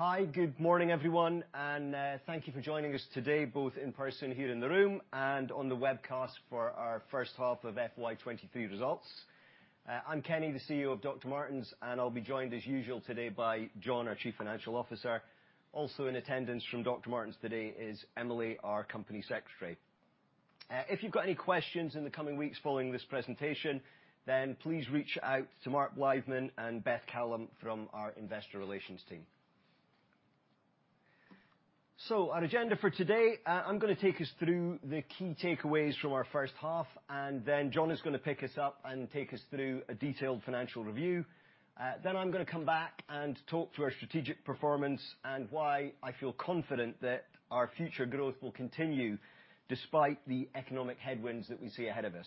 Hi. Good morning, everyone. Thank you for joining us today, both in person here in the room and on the webcast for our first half of FY23 results. I'm Kenny, the CEO of Dr. Martens, and I'll be joined as usual today by Jon, our Chief Financial Officer. Also in attendance from Dr. Martens today is Emily, our Company Secretary. If you've got any questions in the coming weeks following this presentation, then please reach out to Mark Blythman and Beth Callum from our Investor Relations team. Our agenda for today, I'm gonna take us through the key takeaways from our first half, and then Jon is gonna pick us up and take us through a detailed financial review. I'm going to come back and talk through our strategic performance and why I feel confident that our future growth will continue despite the economic headwinds that we see ahead of us.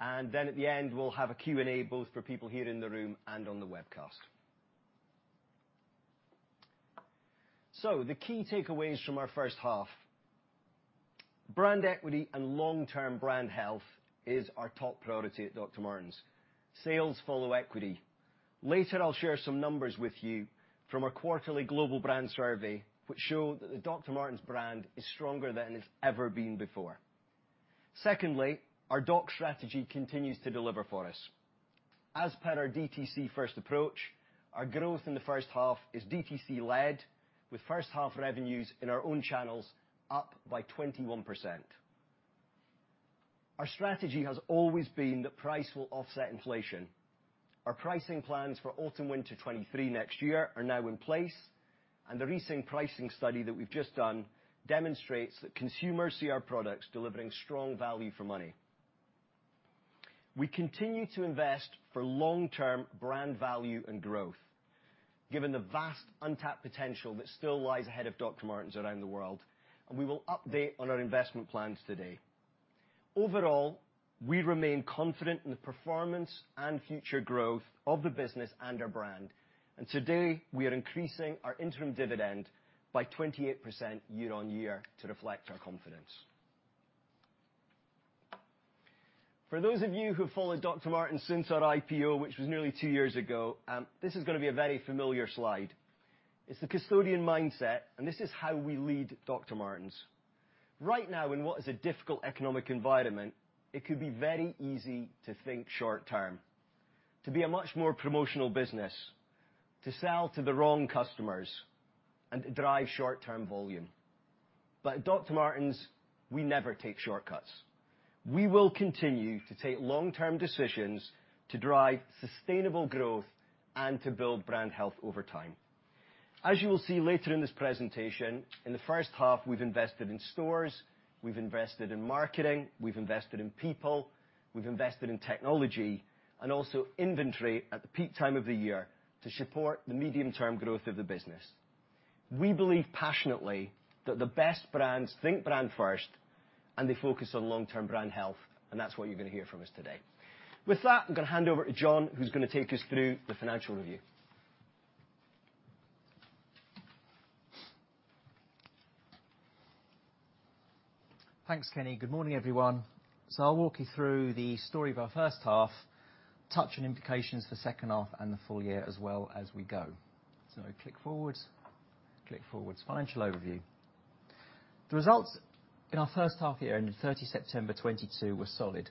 At the end, we'll have a Q&A, both for people here in the room and on the webcast. The key takeaways from our first half. Brand equity and long-term brand health is our top priority at Dr. Martens. Sales follow equity. Later, I'll share some numbers with you from our quarterly global brand survey, which show that the Dr. Martens brand is stronger than it's ever been before. Secondly, our DOCS strategy continues to deliver for us. As per our DTC first approach, our growth in the first half is DTC led with first half revenues in our own channels up by 21%. Our strategy has always been that price will offset inflation. Our pricing plans for autumn/winter 23 next year are now in place, and the recent pricing study that we've just done demonstrates that consumers see our products delivering strong value for money. We continue to invest for long-term brand value and growth given the vast untapped potential that still lies ahead of Dr. Martens around the world, and we will update on our investment plans today. Overall, we remain confident in the performance and future growth of the business and our brand. Today, we are increasing our interim dividend by 28% year on year to reflect our confidence. For those of you who followed Dr. Martens since our IPO, which was nearly two years ago, this is gonna be a very familiar slide. It's the custodian mindset, and this is how we lead Dr. Martens. Right now in what is a difficult economic environment, it could be very easy to think short-term, to be a much more promotional business, to sell to the wrong customers and drive short-term volume. At Dr. Martens, we never take shortcuts. We will continue to take long-term decisions to drive sustainable growth and to build brand health over time. As you will see later in this presentation, in the first half, we've invested in stores, we've invested in marketing, we've invested in people, we've invested in technology, and also inventory at the peak time of the year to support the medium-term growth of the business. We believe passionately that the best brands think brand first, they focus on long-term brand health, and that's what you're going to hear from us today. With that, I'm going to hand over to Jon, who's going to take us through the financial review. Thanks, Kenny. Good morning, everyone. I'll walk you through the story of our first half, touch on implications for second half and the full year as well as we go. Click forwards. Click forwards. Financial overview. The results in our first half year ending September 30th 2022 were solid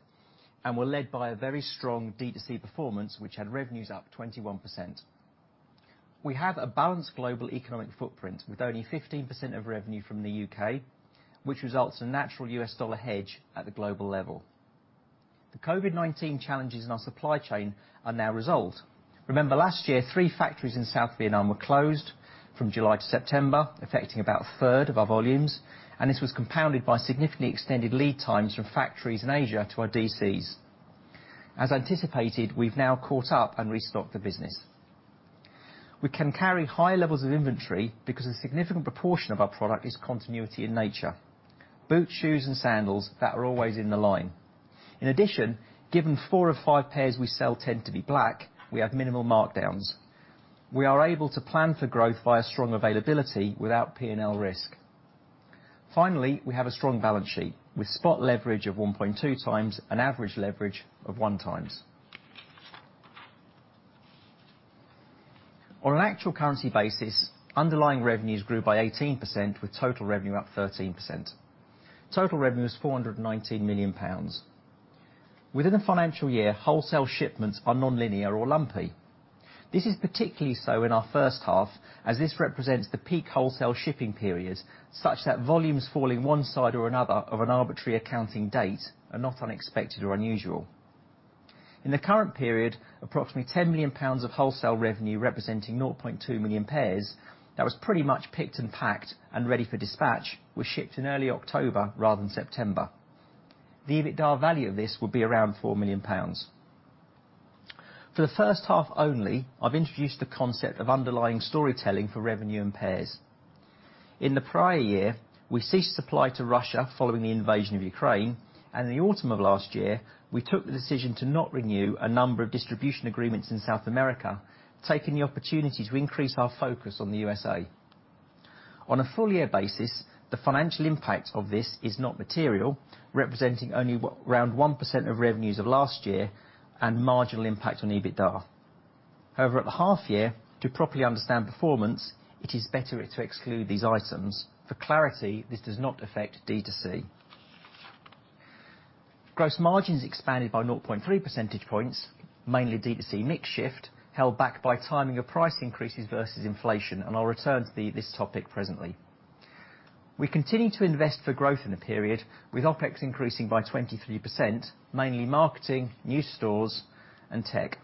and were led by a very strong D2C performance, which had revenues up 21%. We have a balanced global economic footprint with only 15% of revenue from the U.K., which results in natural US dollar hedge at the global level. The COVID-19 challenges in our supply chain are now resolved. Remember last year, three factories in South Vietnam were closed from July to September, affecting about a third of our volumes, and this was compounded by significantly extended lead times from factories in Asia to our DCs. As anticipated, we've now caught up and restocked the business. We can carry high levels of inventory because a significant proportion of our product is continuity in nature. Boots, shoes, and sandals that are always in the line. In addition, given four or five pairs we sell tend to be black, we have minimal markdowns. We are able to plan for growth via strong availability without P&L risk. Finally, we have a strong balance sheet with spot leverage of 1.2 times and average leverage of 1times. On an actual currency basis, underlying revenues grew by 18% with total revenue up 13%. Total revenue was 419 million pounds. Within a financial year, wholesale shipments are non-linear or lumpy. This is particularly so in our first half, as this represents the peak wholesale shipping period, such that volumes falling one side or another of an arbitrary accounting date are not unexpected or unusual. In the current period, approximately 10 million pounds of wholesale revenue, representing 0.2 million pairs, that was pretty much picked and packed and ready for dispatch, was shipped in early October rather than September. The EBITDA value of this would be around 4 million pounds. For the first half only, I've introduced the concept of underlying storytelling for revenue in pairs. In the prior year, we ceased supply to Russia following the invasion of Ukraine. In the autumn of last year, we took the decision to not renew a number of distribution agreements in South America, taking the opportunity to increase our focus on the USA. On a full year basis, the financial impact of this is not material, representing only around 1% of revenues of last year and marginal impact on EBITDA. At the half year, to properly understand performance, it is better to exclude these items. For clarity, this does not affect D2C. Gross margins expanded by 0.3 percentage points, mainly D2C mix shift, held back by timing of price increases versus inflation. I'll return to this topic presently. We continue to invest for growth in the period with OpEx increasing by 23%, mainly marketing, new stores, and tech.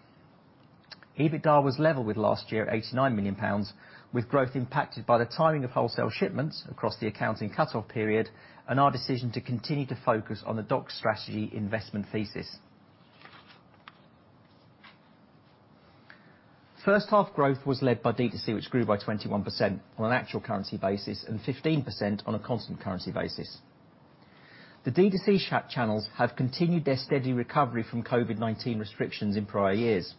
EBITDA was level with last year at 89 million pounds, with growth impacted by the timing of wholesale shipments across the accounting cutoff period and our decision to continue to focus on the DOCS strategy investment thesis. First half growth was led by D2C, which grew by 21% on an actual currency basis and 15% on a constant currency basis. The D2C channels have continued their steady recovery from COVID-19 restrictions in prior years.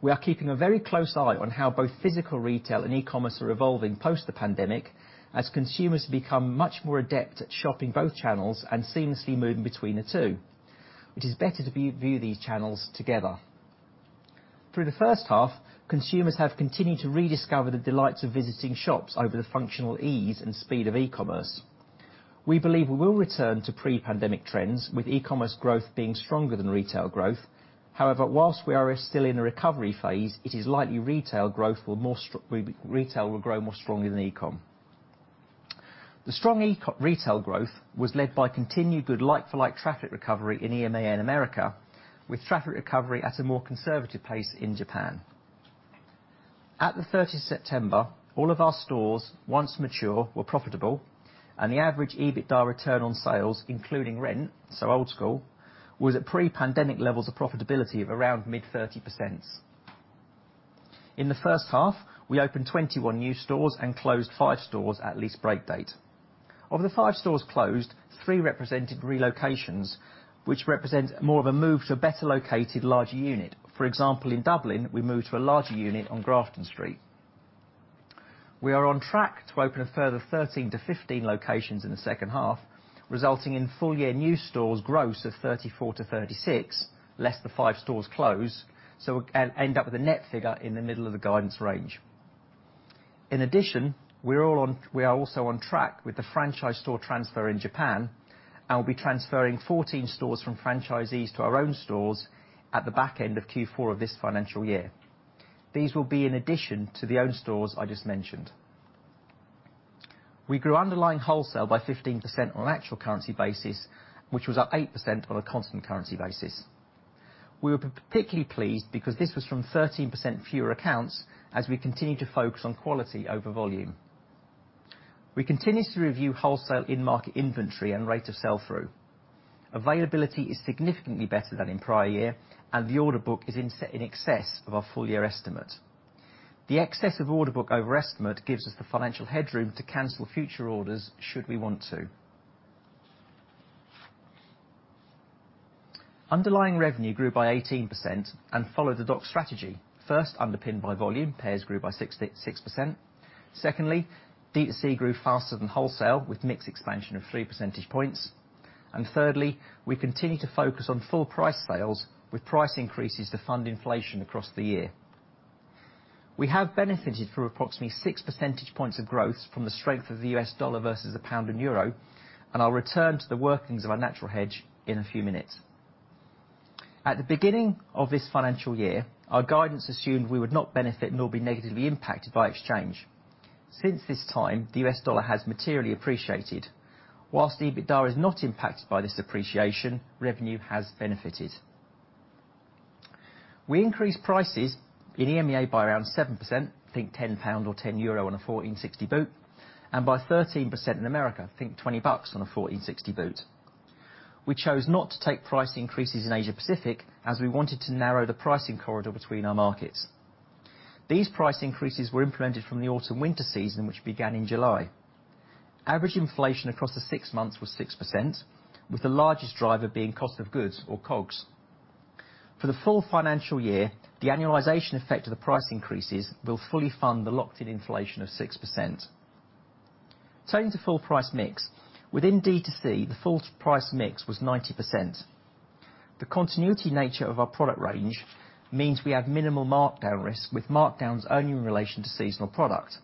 We are keeping a very close eye on how both physical retail and e-commerce are evolving post the pandemic as consumers become much more adept at shopping both channels and seamlessly moving between the two. It is better to view these channels together. Through the first half, consumers have continued to rediscover the delights of visiting shops over the functional ease and speed of e-commerce. We believe we will return to pre-pandemic trends, with e-commerce growth being stronger than retail growth. While we are still in a recovery phase, it is likely retail growth will grow more strongly than e-com. The strong e-com retail growth was led by continued good like-for-like traffic recovery in EMA and America, with traffic recovery at a more conservative pace in Japan. At the 30th September, all of our stores, once mature, were profitable. The average EBITDA return on sales, including rent, so old school, was at pre-pandemic levels of profitability of around mid-30%. In the first half, we opened 21 new stores and closed five stores at lease break date. Of the five stores closed, three represented relocations, which represent more of a move to a better located larger unit. For example, in Dublin, we moved to a larger unit on Grafton Street. We are on track to open a further 13-15 locations in the second half, resulting in full year new stores gross of 34-36, less the five stores closed. We'll end up with a net figure in the middle of the guidance range. In addition, we're all on... We are also on track with the franchise store transfer in Japan and will be transferring 14 stores from franchisees to our own stores at the back end of Q4 of this financial year. These will be in addition to the owned stores I just mentioned. We grew underlying wholesale by 15% on an actual currency basis, which was up 8% on a constant currency basis. We were particularly pleased because this was from 13% fewer accounts as we continued to focus on quality over volume. We continues to review wholesale in market inventory and rate of sell through. Availability is significantly better than in prior year, and the order book is in set in excess of our full year estimate. The excess of order book over estimate gives us the financial headroom to cancel future orders should we want to. Underlying revenue grew by 18% and followed the DOC strategy, first underpinned by volume, pairs grew by 66%. Secondly, D2C grew faster than wholesale with mix expansion of three percentage points. Thirdly, we continue to focus on full price sales with price increases to fund inflation across the year. We have benefited from approximately six percentage points of growth from the strength of the U.S. dollar versus the pound and euro, and I'll return to the workings of our natural hedge in a few minutes. At the beginning of this financial year, our guidance assumed we would not benefit nor be negatively impacted by exchange. Since this time, the U.S. dollar has materially appreciated. Whilst EBITDA is not impacted by this appreciation, revenue has benefited. We increased prices in EMEA by around 7%, I think 10 pound or 10 euro on a 1460 boot, and by 13% in America, I think $20 on a 1460 boot. We chose not to take price increases in Asia-Pacific as we wanted to narrow the pricing corridor between our markets. These price increases were implemented from the autumn/winter season, which began in July. Average inflation across the six months was 6%, with the largest driver being cost of goods or COGS. For the full financial year, the annualization effect of the price increases will fully fund the locked in inflation of 6%. Turning to full price mix, within D2C, the full price mix was 90%. The continuity nature of our product range means we have minimal markdown risk with markdowns only in relation to seasonal product.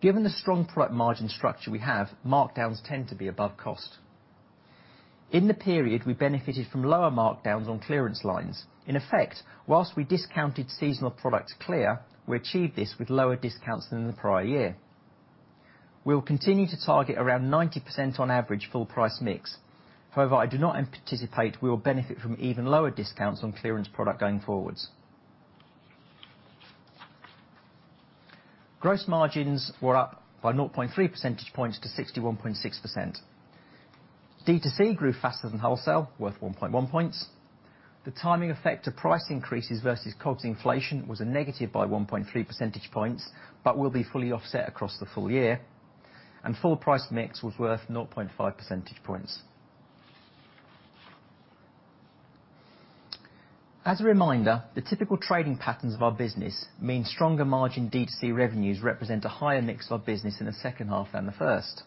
Given the strong product margin structure we have, markdowns tend to be above cost. In the period, we benefited from lower markdowns on clearance lines. In effect, whilst we discounted seasonal products clear, we achieved this with lower discounts than the prior year. We will continue to target around 90% on average full price mix. However, I do not anticipate we will benefit from even lower discounts on clearance product going forwards. Gross margins were up by 0.3 percentage points to 61.6%. D2C grew faster than wholesale, worth 1.1 points. The timing effect of price increases versus COGS inflation was a negative by 1.3 percentage points, but will be fully offset across the full year. Full price mix was worth 0.5 percentage points. As a reminder, the typical trading patterns of our business mean stronger margin D2C revenues represent a higher mix of business in the second half than the first.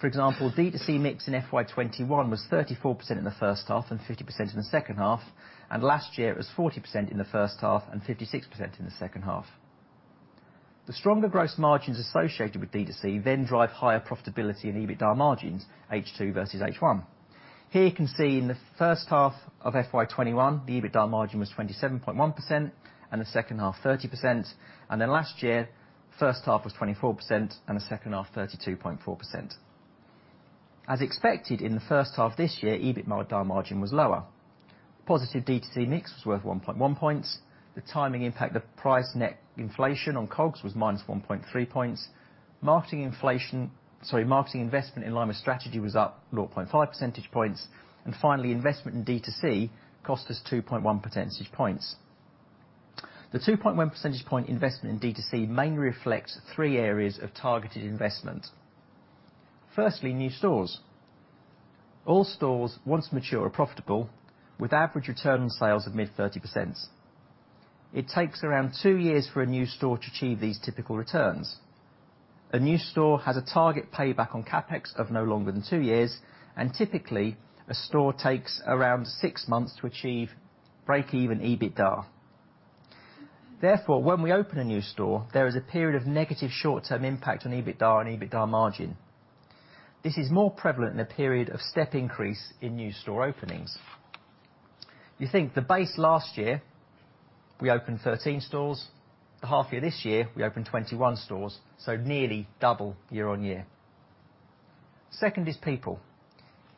For example, D2C mix in FY21 was 34% in the first half and 50% in the second half, last year it was 40% in the first half and 56% in the second half. The stronger gross margins associated with D2C drive higher profitability and EBITDA margins H2 versus H1. Here you can see in the first half of FY21, the EBITDA margin was 27.1% and the second half 30%, last year, first half was 24% and the second half, 32.4%. As expected, in the first half this year, EBITDA margin was lower. Positive D2C mix was worth 1.1 points. The timing impact, the price net inflation on COGS was -1.3 points. Marketing inflation, sorry, marketing investment in line with strategy was up 0.5 percentage points. Finally, investment in D2C cost us 2.1 percentage points. The 2.1 percentage point investment in D2C mainly reflects three areas of targeted investment. Firstly, new stores. All stores, once mature, are profitable with average return on sales of mid 30%. It takes around two years for a new store to achieve these typical returns. A new store has a target payback on CapEx of no longer than two years, and typically, a store takes around six months to achieve break-even EBITDA. Therefore, when we open a new store, there is a period of negative short-term impact on EBITDA and EBITDA margin. This is more prevalent in a period of step increase in new store openings. You think the base last year, we opened 13 stores. The half year this year, we opened 21 stores, so nearly double year-over-year. Second is people.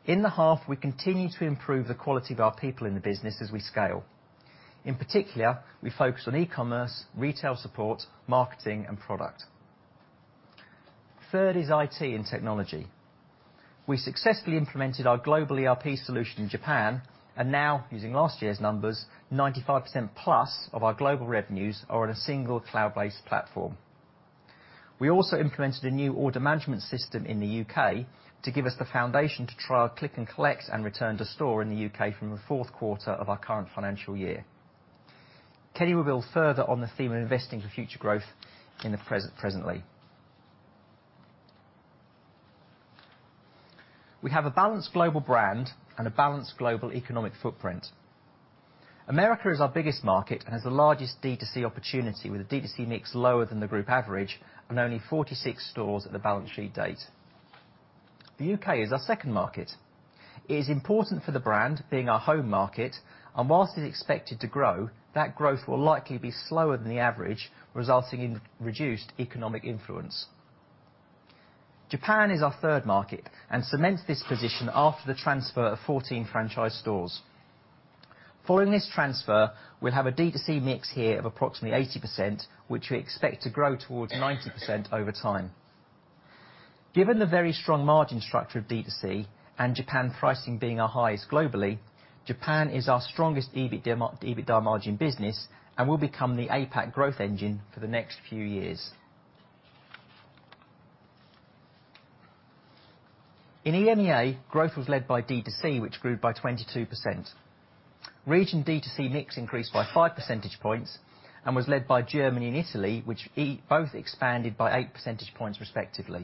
In the half, we continue to improve the quality of our people in the business as we scale. In particular, we focus on e-commerce, retail support, marketing, and product. Third is IT and technology. We successfully implemented our global ERP solution in Japan. Now, using last year's numbers, 95% plus of our global revenues are on a single cloud-based platform. We also implemented a new order management system in the U.K. to give us the foundation to trial click and collect and return to store in the U.K. from the fourth quarter of our current financial year. Kenny will build further on the theme of investing for future growth presently. We have a balanced global brand and a balanced global economic footprint. America is our biggest market and has the largest D2C opportunity with a D2C mix lower than the group average and only 46 stores at the balance sheet date. The U.K. is our second market. It is important for the brand being our home market and whilst it's expected to grow, that growth will likely be slower than the average, resulting in reduced economic influence. Japan is our third market and cements this position after the transfer of 14 franchise stores. Following this transfer, we'll have a D2C mix here of approximately 80%, which we expect to grow towards 90% over time. Given the very strong margin structure of D2C and Japan pricing being our highest globally, Japan is our strongest EBITDA margin business and will become the APAC growth engine for the next few years. In EMEA, growth was led by D2C, which grew by 22%. Region D2C mix increased by five percentage points and was led by Germany and Italy, which both expanded by eight percentage points respectively.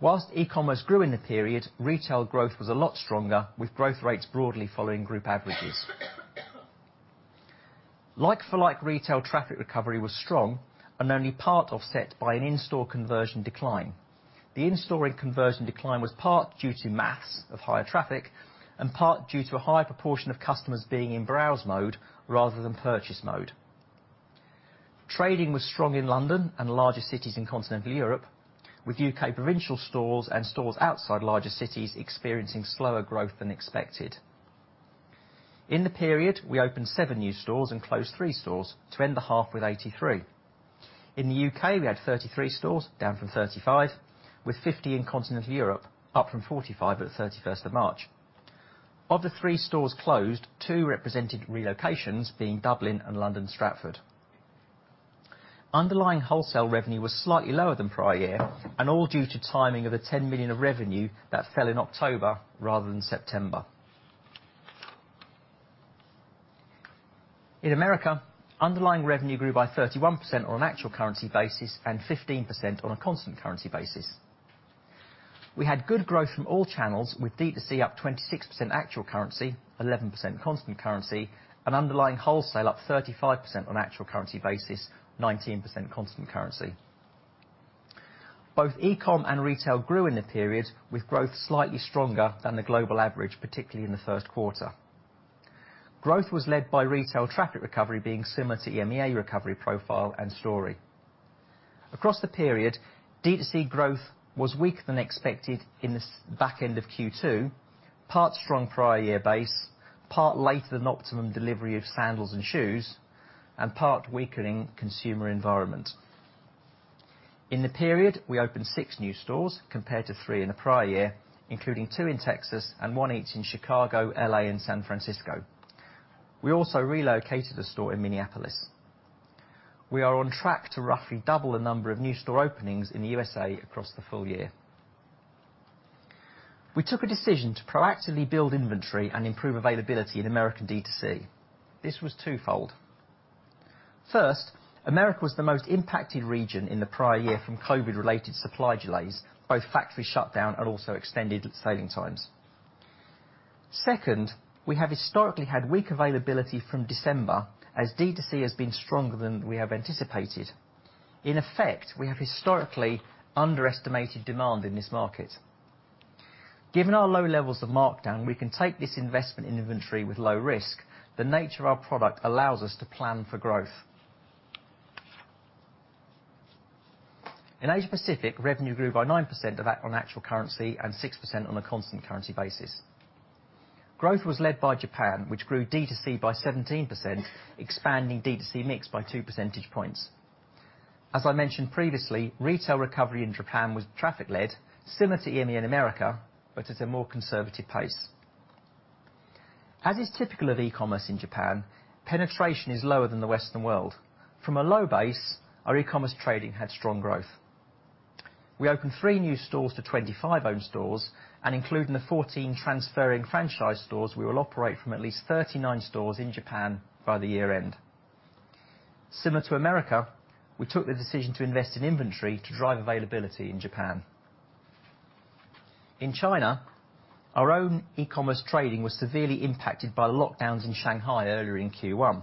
Whilst e-commerce grew in the period, retail growth was a lot stronger with growth rates broadly following group averages. Like-for-like retail traffic recovery was strong and only part offset by an in-store conversion decline. The in-store conversion decline was part due to maths of higher traffic and part due to a higher proportion of customers being in browse mode rather than purchase mode. Trading was strong in London and larger cities in continental Europe, with U.K. provincial stores and stores outside larger cities experiencing slower growth than expected. In the period, we opened seven new stores and closed three stores to end the half with 83. In the U.K., we had 33 stores, down from 35, with 50 in continental Europe, up from 45 at the 31st of March. Of the three stores closed, two represented relocations, being Dublin and London, Stratford. Underlying wholesale revenue was slightly lower than prior year and all due to timing of the 10 million of revenue that fell in October rather than September. In America, underlying revenue grew by 31% on an actual currency basis and 15% on a constant currency basis. We had good growth from all channels with D2C up 26% actual currency, 11% constant currency, and underlying wholesale up 35% on actual currency basis, 19% constant currency. Both e-com and retail grew in the period with growth slightly stronger than the global average, particularly in the first quarter. Growth was led by retail traffic recovery being similar to EMEA recovery profile and story. Across the period, D2C growth was weaker than expected in the back end of Q2, part strong prior year base, part later than optimum delivery of sandals and shoes, and part weakening consumer environment. In the period, we opened six new stores compared to three in the prior year, including two in Texas and one each in Chicago, L.A., and San Francisco. We also relocated a store in Minneapolis. We are on track to roughly double the number of new store openings in the USA across the full year. We took a decision to proactively build inventory and improve availability in American D2C. This was twofold. First, America was the most impacted region in the prior year from COVID-related supply delays, both factory shutdown and also extended sailing times. Second, we have historically had weak availability from December as D2C has been stronger than we have anticipated. In effect, we have historically underestimated demand in this market. Given our low levels of markdown, we can take this investment in inventory with low risk. The nature of our product allows us to plan for growth. In Asia Pacific, revenue grew by 9% of that on actual currency and 6% on a constant currency basis. Growth was led by Japan, which grew D2C by 17%, expanding D2C mix by two percentage points. As I mentioned previously, retail recovery in Japan was traffic led similar to EMEA and America, but at a more conservative pace. As is typical of e-commerce in Japan, penetration is lower than the Western world. From a low base, our e-commerce trading had strong growth. We opened three new stores to 25 owned stores and including the 14 transferring franchise stores, we will operate from at least 39 stores in Japan by the year end. Similar to America, we took the decision to invest in inventory to drive availability in Japan. In China, our own e-commerce trading was severely impacted by lockdowns in Shanghai earlier in Q1.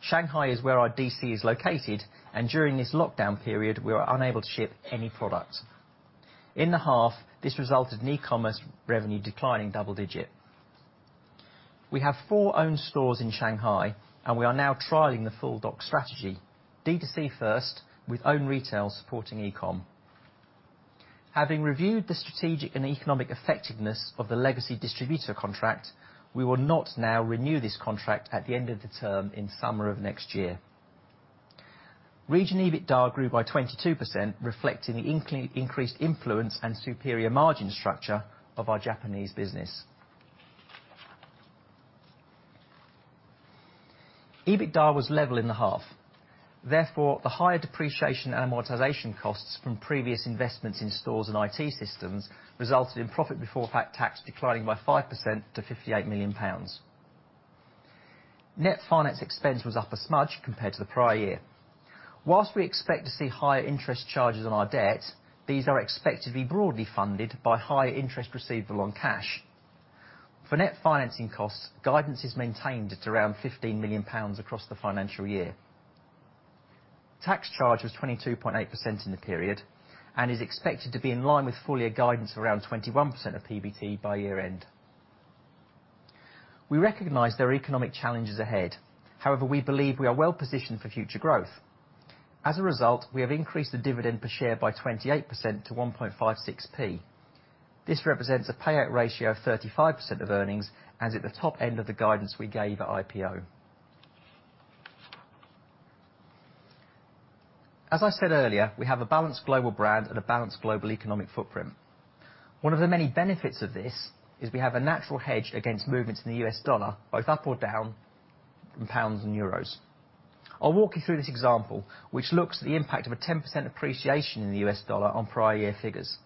Shanghai is where our DC is located, and during this lockdown period we were unable to ship any product. In the half, this resulted in e-commerce revenue declining double-digit. We have four owned stores in Shanghai. We are now trialing the full DOCS strategy. D2C first with own retail supporting e-com. Having reviewed the strategic and economic effectiveness of the legacy distributor contract, we will not now renew this contract at the end of the term in summer of next year. Region EBITDA grew by 22%, reflecting the increased influence and superior margin structure of our Japanese business. EBITDA was level in the half. The higher depreciation and amortization costs from previous investments in stores and IT systems resulted in profit before tax declining by 5% to 58 million pounds. Net finance expense was up a smudge compared to the prior year. Whilst we expect to see higher interest charges on our debt, these are expected to be broadly funded by higher interest receivable on cash. For net financing costs, guidance is maintained at around 15 million pounds across the financial year. Tax charge was 22.8% in the period and is expected to be in line with full year guidance around 21% of PBT by year end. We recognize there are economic challenges ahead. However, we believe we are well positioned for future growth. As a result, we have increased the dividend per share by 28% to 1.56p. This represents a payout ratio of 35% of earnings and is at the top end of the guidance we gave at IPO. As I said earlier, we have a balanced global brand and a balanced global economic footprint. One of the many benefits of this is we have a natural hedge against movements in the US dollar, both up or down in pounds and euros. I'll walk you through this example, which looks at the impact of a 10% appreciation in the US dollar on prior year figures.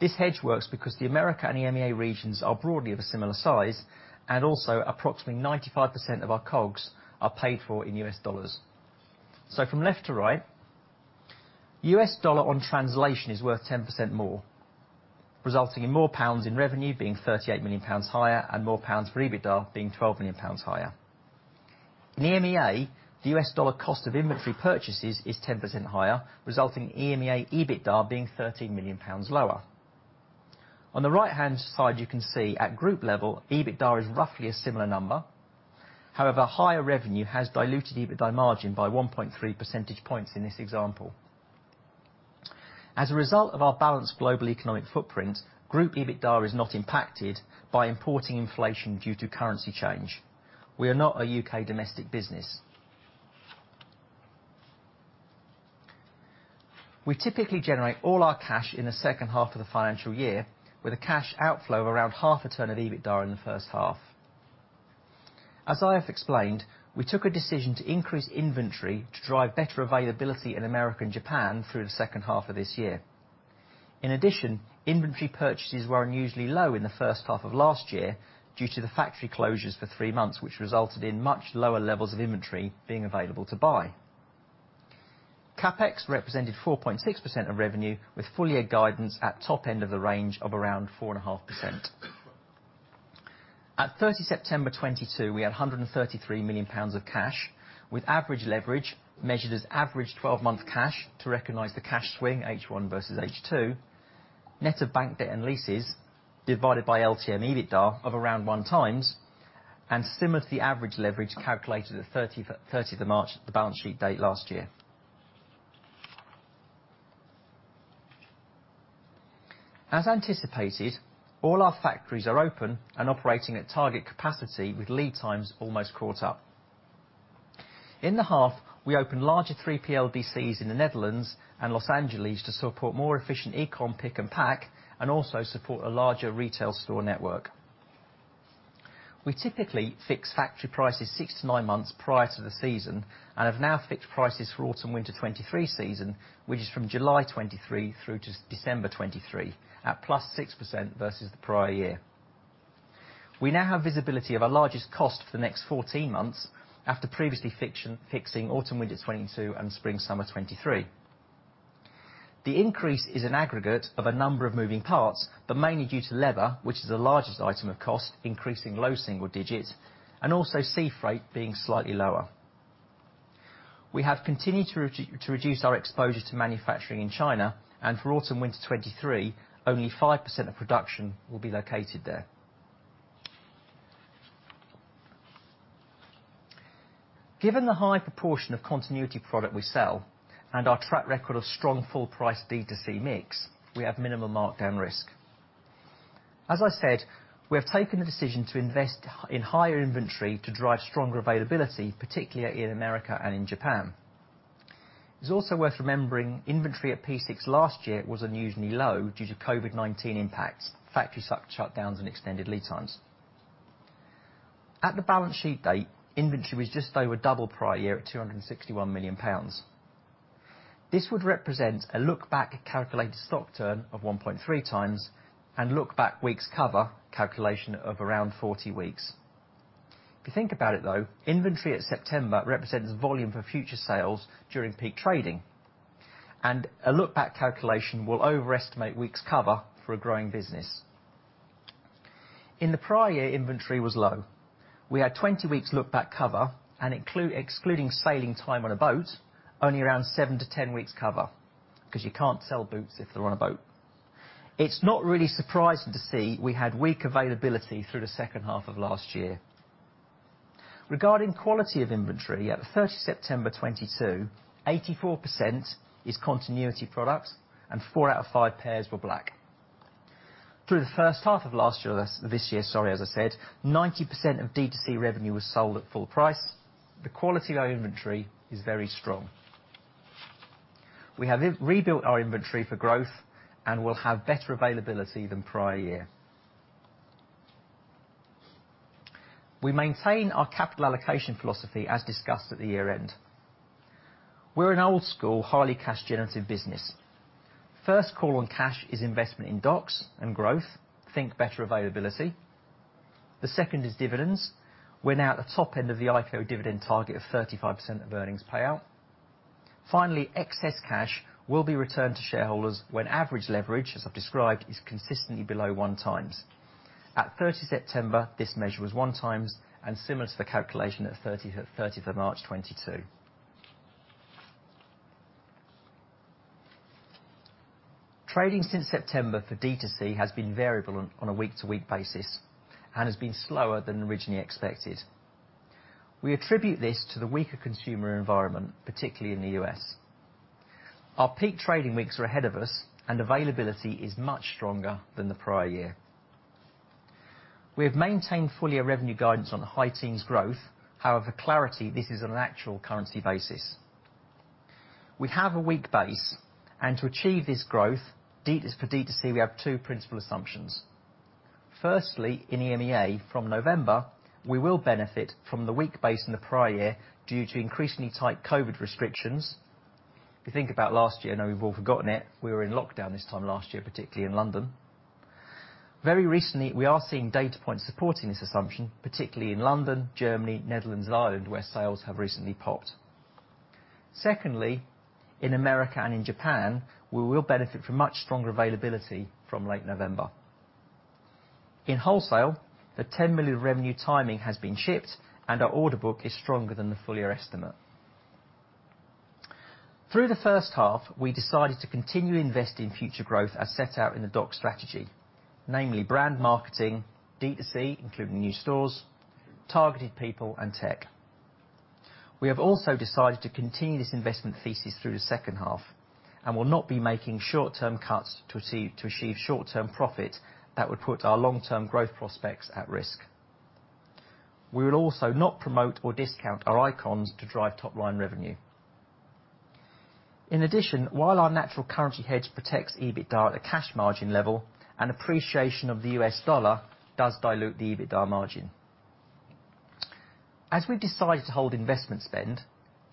This hedge works because the America and EMEA regions are broadly of a similar size and also approximately 95% of our COGS are paid for in US dollars. From left to right, US dollar on translation is worth 10% more, resulting in more pounds in revenue being 38 million pounds higher and more pounds for EBITDA being 12 million pounds higher. In EMEA, the US dollar cost of inventory purchases is 10% higher, resulting in EMEA EBITDA being 13 million pounds lower. On the right-hand side, you can see at group level, EBITDA is roughly a similar number. Higher revenue has diluted EBITDA margin by 1.3 percentage points in this example. As a result of our balanced global economic footprint, group EBITDA is not impacted by importing inflation due to currency change. We are not a U.K. domestic business. We typically generate all our cash in the second half of the financial year with a cash outflow of around half a turn of EBITDA in the first half. As I have explained, we took a decision to increase inventory to drive better availability in America and Japan through the second half of this year. Inventory purchases were unusually low in the first half of last year due to the factory closures for three months, which resulted in much lower levels of inventory being available to buy. CapEx represented 4.6% of revenue, with full year guidance at top end of the range of around 4.5%. At 30 September 2022, we had 133 million pounds of cash, with average leverage measured as average 12-month cash to recognize the cash swing H1 versus H2, net of bank debt and leases divided by LTM EBITDA of around one time and similar to the average leverage calculated at 30th of March, the balance sheet date last year. As anticipated, all our factories are open and operating at target capacity with lead times almost caught up. In the half, we opened larger 3PL DCs in the Netherlands and Los Angeles to support more efficient e-com pick and pack, and also support a larger retail store network. We typically fix factory prices six to nine months prior to the season and have now fixed prices for autumn/winter '23 season, which is from July '23 through to December '23 at +6% versus the prior year. We now have visibility of our largest cost for the next 14 months after previously fixing autumn/winter '22 and spring/summer '23. The increase is an aggregate of a number of moving parts, but mainly due to leather, which is the largest item of cost, increasing low single digits and also sea freight being slightly lower. We have continued to reduce our exposure to manufacturing in China, and for autumn/winter '23, only 5% of production will be located there. Given the high proportion of continuity product we sell and our track record of strong full price D2C mix, we have minimal markdown risk. As I said, we have taken the decision to invest in higher inventory to drive stronger availability, particularly in America and in Japan. It's also worth remembering inventory at P6 last year was unusually low due to COVID-19 impacts, factory shutdowns, and extended lead times. At the balance sheet date, inventory was just over double prior year at 261 million pounds. This would represent a look-back calculated stock turn of 1.3 times and look-back weeks cover calculation of around 40 weeks. If you think about it, though, inventory at September represents volume for future sales during peak trading, and a look-back calculation will overestimate weeks cover for a growing business. In the prior year, inventory was low. We had 20 weeks look-back cover and excluding sailing time on a boat, only around 7-10 weeks cover because you can't sell boots if they're on a boat. It's not really surprising to see we had weak availability through the second half of last year. Regarding quality of inventory at the 1st of September 2022, 84% is continuity products and four out of five pairs were black. Through the first half of last year, this year, sorry, as I said, 90% of D2C revenue was sold at full price. The quality of our inventory is very strong. We have rebuilt our inventory for growth and will have better availability than prior year. We maintain our capital allocation philosophy as discussed at the year-end. We're an old school, highly cash generative business. First call on cash is investment in DOCS strategy and growth. Think better availability. The second is dividends. We're now at the top end of the IPO dividend target of 35% of earnings payout. Finally, excess cash will be returned to shareholders when average leverage, as I've described, is consistently below one times. At 30 September, this measure was one times and similar to the calculation at 30th of March 2022. Trading since September for D2C has been variable on a week-to-week basis and has been slower than originally expected. We attribute this to the weaker consumer environment, particularly in the U.S. Our peak trading weeks are ahead of us, and availability is much stronger than the prior year. We have maintained full year revenue guidance on the high teens growth. Clarity, this is on an actual currency basis. We have a weak base, to achieve this growth, for D2C, we have two principal assumptions. Firstly, in EMEA, from November, we will benefit from the weak base in the prior year due to increasingly tight COVID restrictions. If you think about last year, I know we've all forgotten it, we were in lockdown this time last year, particularly in London. Very recently, we are seeing data points supporting this assumption, particularly in London, Germany, Netherlands, and Ireland, where sales have recently popped. Secondly, in America and in Japan, we will benefit from much stronger availability from late November. In wholesale, the 10 million revenue timing has been shipped and our order book is stronger than the full year estimate. Through the first half, we decided to continue investing in future growth as set out in the DOCS strategy, namely brand marketing, D2C, including new stores, targeted people, and tech. We have also decided to continue this investment thesis through the second half and will not be making short-term cuts to achieve short-term profit that would put our long-term growth prospects at risk. We will also not promote or discount our icons to drive top-line revenue. In addition, while our natural currency hedge protects EBITDA at the cash margin level and appreciation of the U.S. dollar does dilute the EBITDA margin. As we've decided to hold investment spend,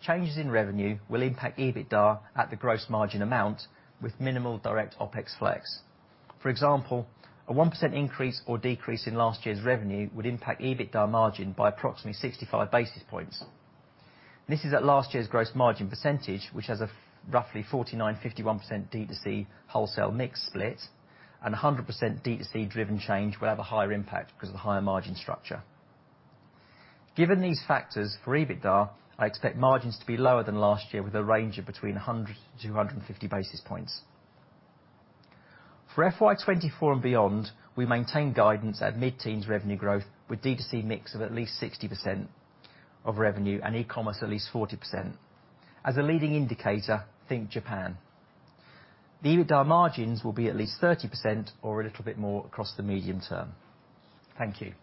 changes in revenue will impact EBITDA at the gross margin amount with minimal direct OpEx flex. For example, a 1% increase or decrease in last year's revenue would impact EBITDA margin by approximately 65 basis points. This is at last year's gross margin percentage, which has a roughly 49%, 51% D2C wholesale mix split and a 100% D2C-driven change will have a higher impact because of the higher margin structure. Given these factors for EBITDA, I expect margins to be lower than last year with a range of between 100 to 250 basis points. For FY24 and beyond, we maintain guidance at mid-teens revenue growth with D2C mix of at least 60% of revenue and e-commerce at least 40%. As a leading indicator, think Japan. The EBITDA margins will be at least 30% or a little bit more across the medium-term. Thank you.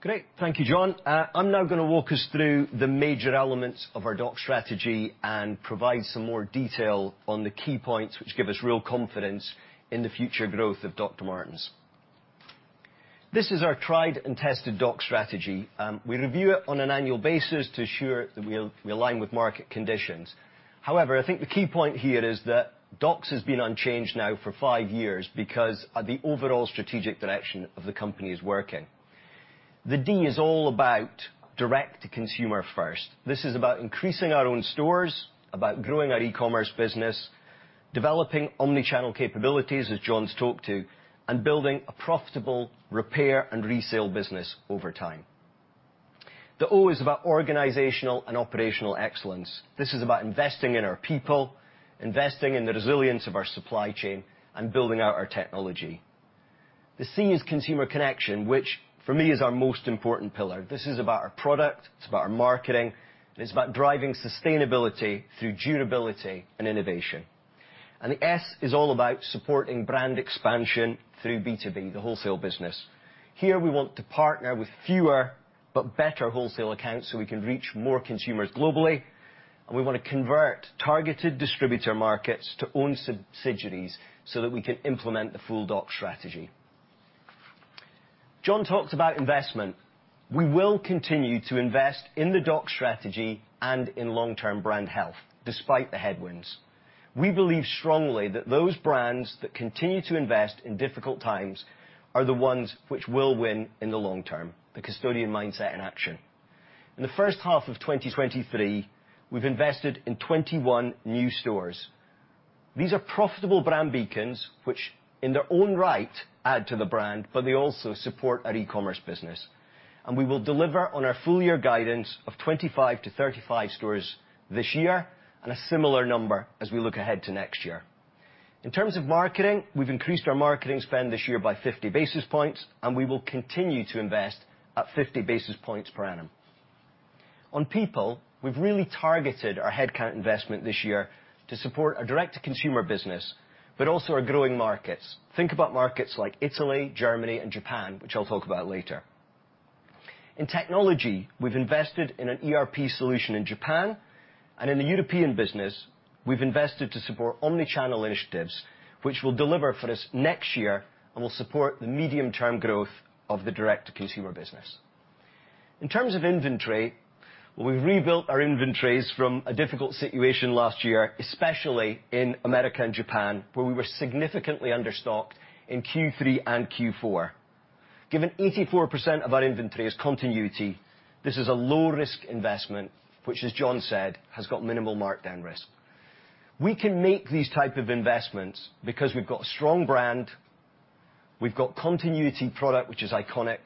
Great. Thank you, Jon. I'm now gonna walk us through the major elements of our DOCS strategy and provide some more detail on the key points which give us real confidence in the future growth of Dr. Martens. This is our tried and tested DOCS strategy. We review it on an annual basis to ensure that we align with market conditions. However, I think the key point here is that DOCS has been unchanged now for five years because of the overall strategic direction of the company is working. The D is all about direct to consumer first. This is about increasing our own stores, about growing our e-commerce business, developing omnichannel capabilities as Jon's talked to, and building a profitable repair and resale business over time. The O is about organizational and operational excellence. This is about investing in our people, investing in the resilience of our supply chain, and building out our technology. The C is consumer connection, which for me is our most important pillar. This is about our product, it's about our marketing, and it's about driving sustainability through durability and innovation. The S is all about supporting brand expansion through B2B, the wholesale business. Here, we want to partner with fewer but better wholesale accounts so we can reach more consumers globally. We wanna convert targeted distributor markets to own sub-subsidiaries, so that we can implement the full Doc strategy. Jon talked about investment. We will continue to invest in the Doc strategy and in long-term brand health despite the headwinds. We believe strongly that those brands that continue to invest in difficult times are the ones which will win in the long-term, the custodian mindset in action. In the first half of 2023, we've invested in 21 new stores. These are profitable brand beacons, which in their own right, add to the brand, but they also support our e-commerce business. We will deliver on our full year guidance of 25-35 stores this year and a similar number as we look ahead to next year. In terms of marketing, we've increased our marketing spend this year by 50 basis points. We will continue to invest at 50 basis points per annum. On people, we've really targeted our headcount investment this year to support our direct to consumer business, but also our growing markets. Think about markets like Italy, Germany, and Japan, which I'll talk about later. In technology, we've invested in an ERP solution in Japan, and in the European business, we've invested to support omnichannel initiatives, which will deliver for this next year and will support the medium-term growth of the direct to consumer business. In terms of inventory, we've rebuilt our inventories from a difficult situation last year, especially in America and Japan, where we were significantly understocked in Q3 and Q4. Given 84% of our inventory is continuity, this is a low-risk investment, which as Jon said, has got minimal markdown risk. We can make these type of investments because we've got strong brand, we've got continuity product, which is iconic,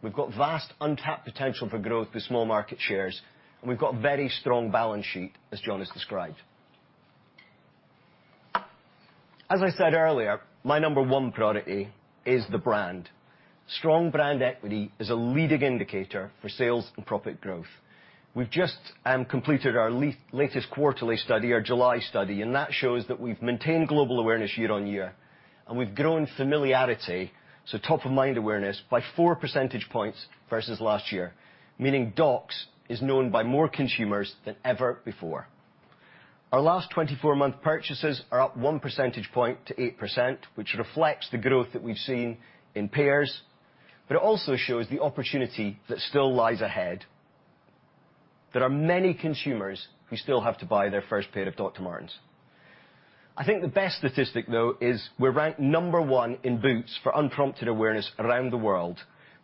we've got vast untapped potential for growth with small market shares, and we've got very strong balance sheet, as Jon has described. As I said earlier, my number one priority is the brand. Strong brand equity is a leading indicator for sales and profit growth. We've just completed our latest quarterly study, our July study, and that shows that we've maintained global awareness year-over-year, and we've grown familiarity, so top of mind awareness, by four percentage points versus last year. Meaning DMs is known by more consumers than ever before. Our last 24-month purchases are up one percentage point to 8%, which reflects the growth that we've seen in pairs, but it also shows the opportunity that still lies ahead. There are many consumers who still have to buy their first pair of Dr. Martens. I think the best statistic, though, is we're ranked number one in boots for unprompted awareness around the world.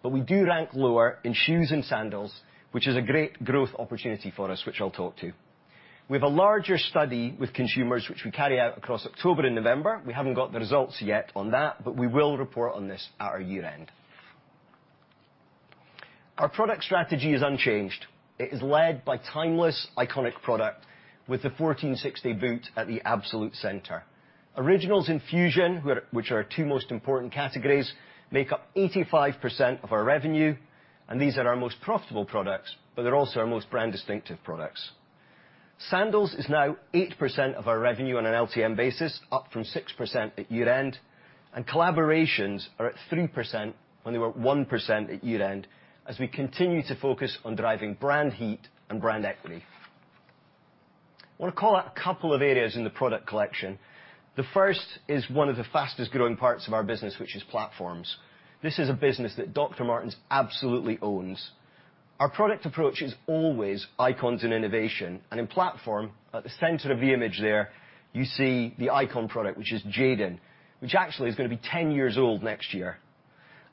We do rank lower in shoes and sandals, which is a great growth opportunity for us, which I'll talk to you. We have a larger study with consumers which we carry out across October and November. We haven't got the results yet on that, but we will report on this at our year-end. Our product strategy is unchanged. It is led by timeless, iconic product with the 1460 boot at the absolute center. Originals and Fusion, which are our two most important categories, make up 85% of our revenue, and these are our most profitable products, but they're also our most brand distinctive products. Sandals is now 8% of our revenue on an LTM basis, up from 6% at year-end. Collaborations are at 3%, when they were 1% at year-end as we continue to focus on driving brand heat and brand equity. I want to call out a couple of areas in the product collection. The first is one of the fastest-growing parts of our business, which is platforms. This is a business that Dr. Martens absolutely owns. Our product approach is always icons and innovation. In platform, at the center of the image there, you see the icon product, which is Jadon, which actually is gonna be 10 years old next year.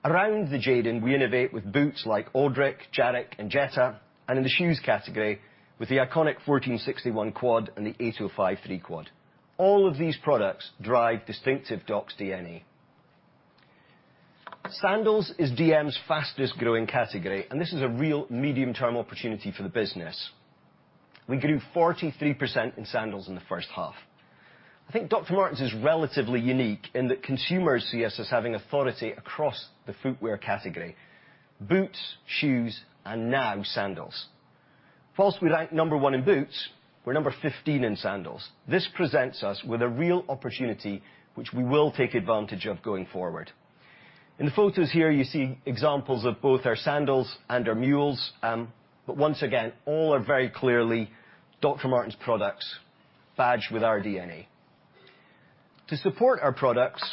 Around the Jadon, we innovate with boots like Audrick, Janick, and Jetta, and in the shoes category with the iconic 1461 Quad and the 8053 Quad. All of these products drive distinctive Doc's DNA. Sandals is DMs fastest growing category. This is a real medium-term opportunity for the business. We grew 43% in sandals in the first half. I think Dr. Martens is relatively unique in that consumers see us as having authority across the footwear category, boots, shoes, and now sandals. We rank number one in boots, we're number 15 in sandals. This presents us with a real opportunity, which we will take advantage of going forward. In the photos here, you see examples of both our sandals and our mules. Once again, all are very clearly Dr. Martens products badged with our DNA. To support our products,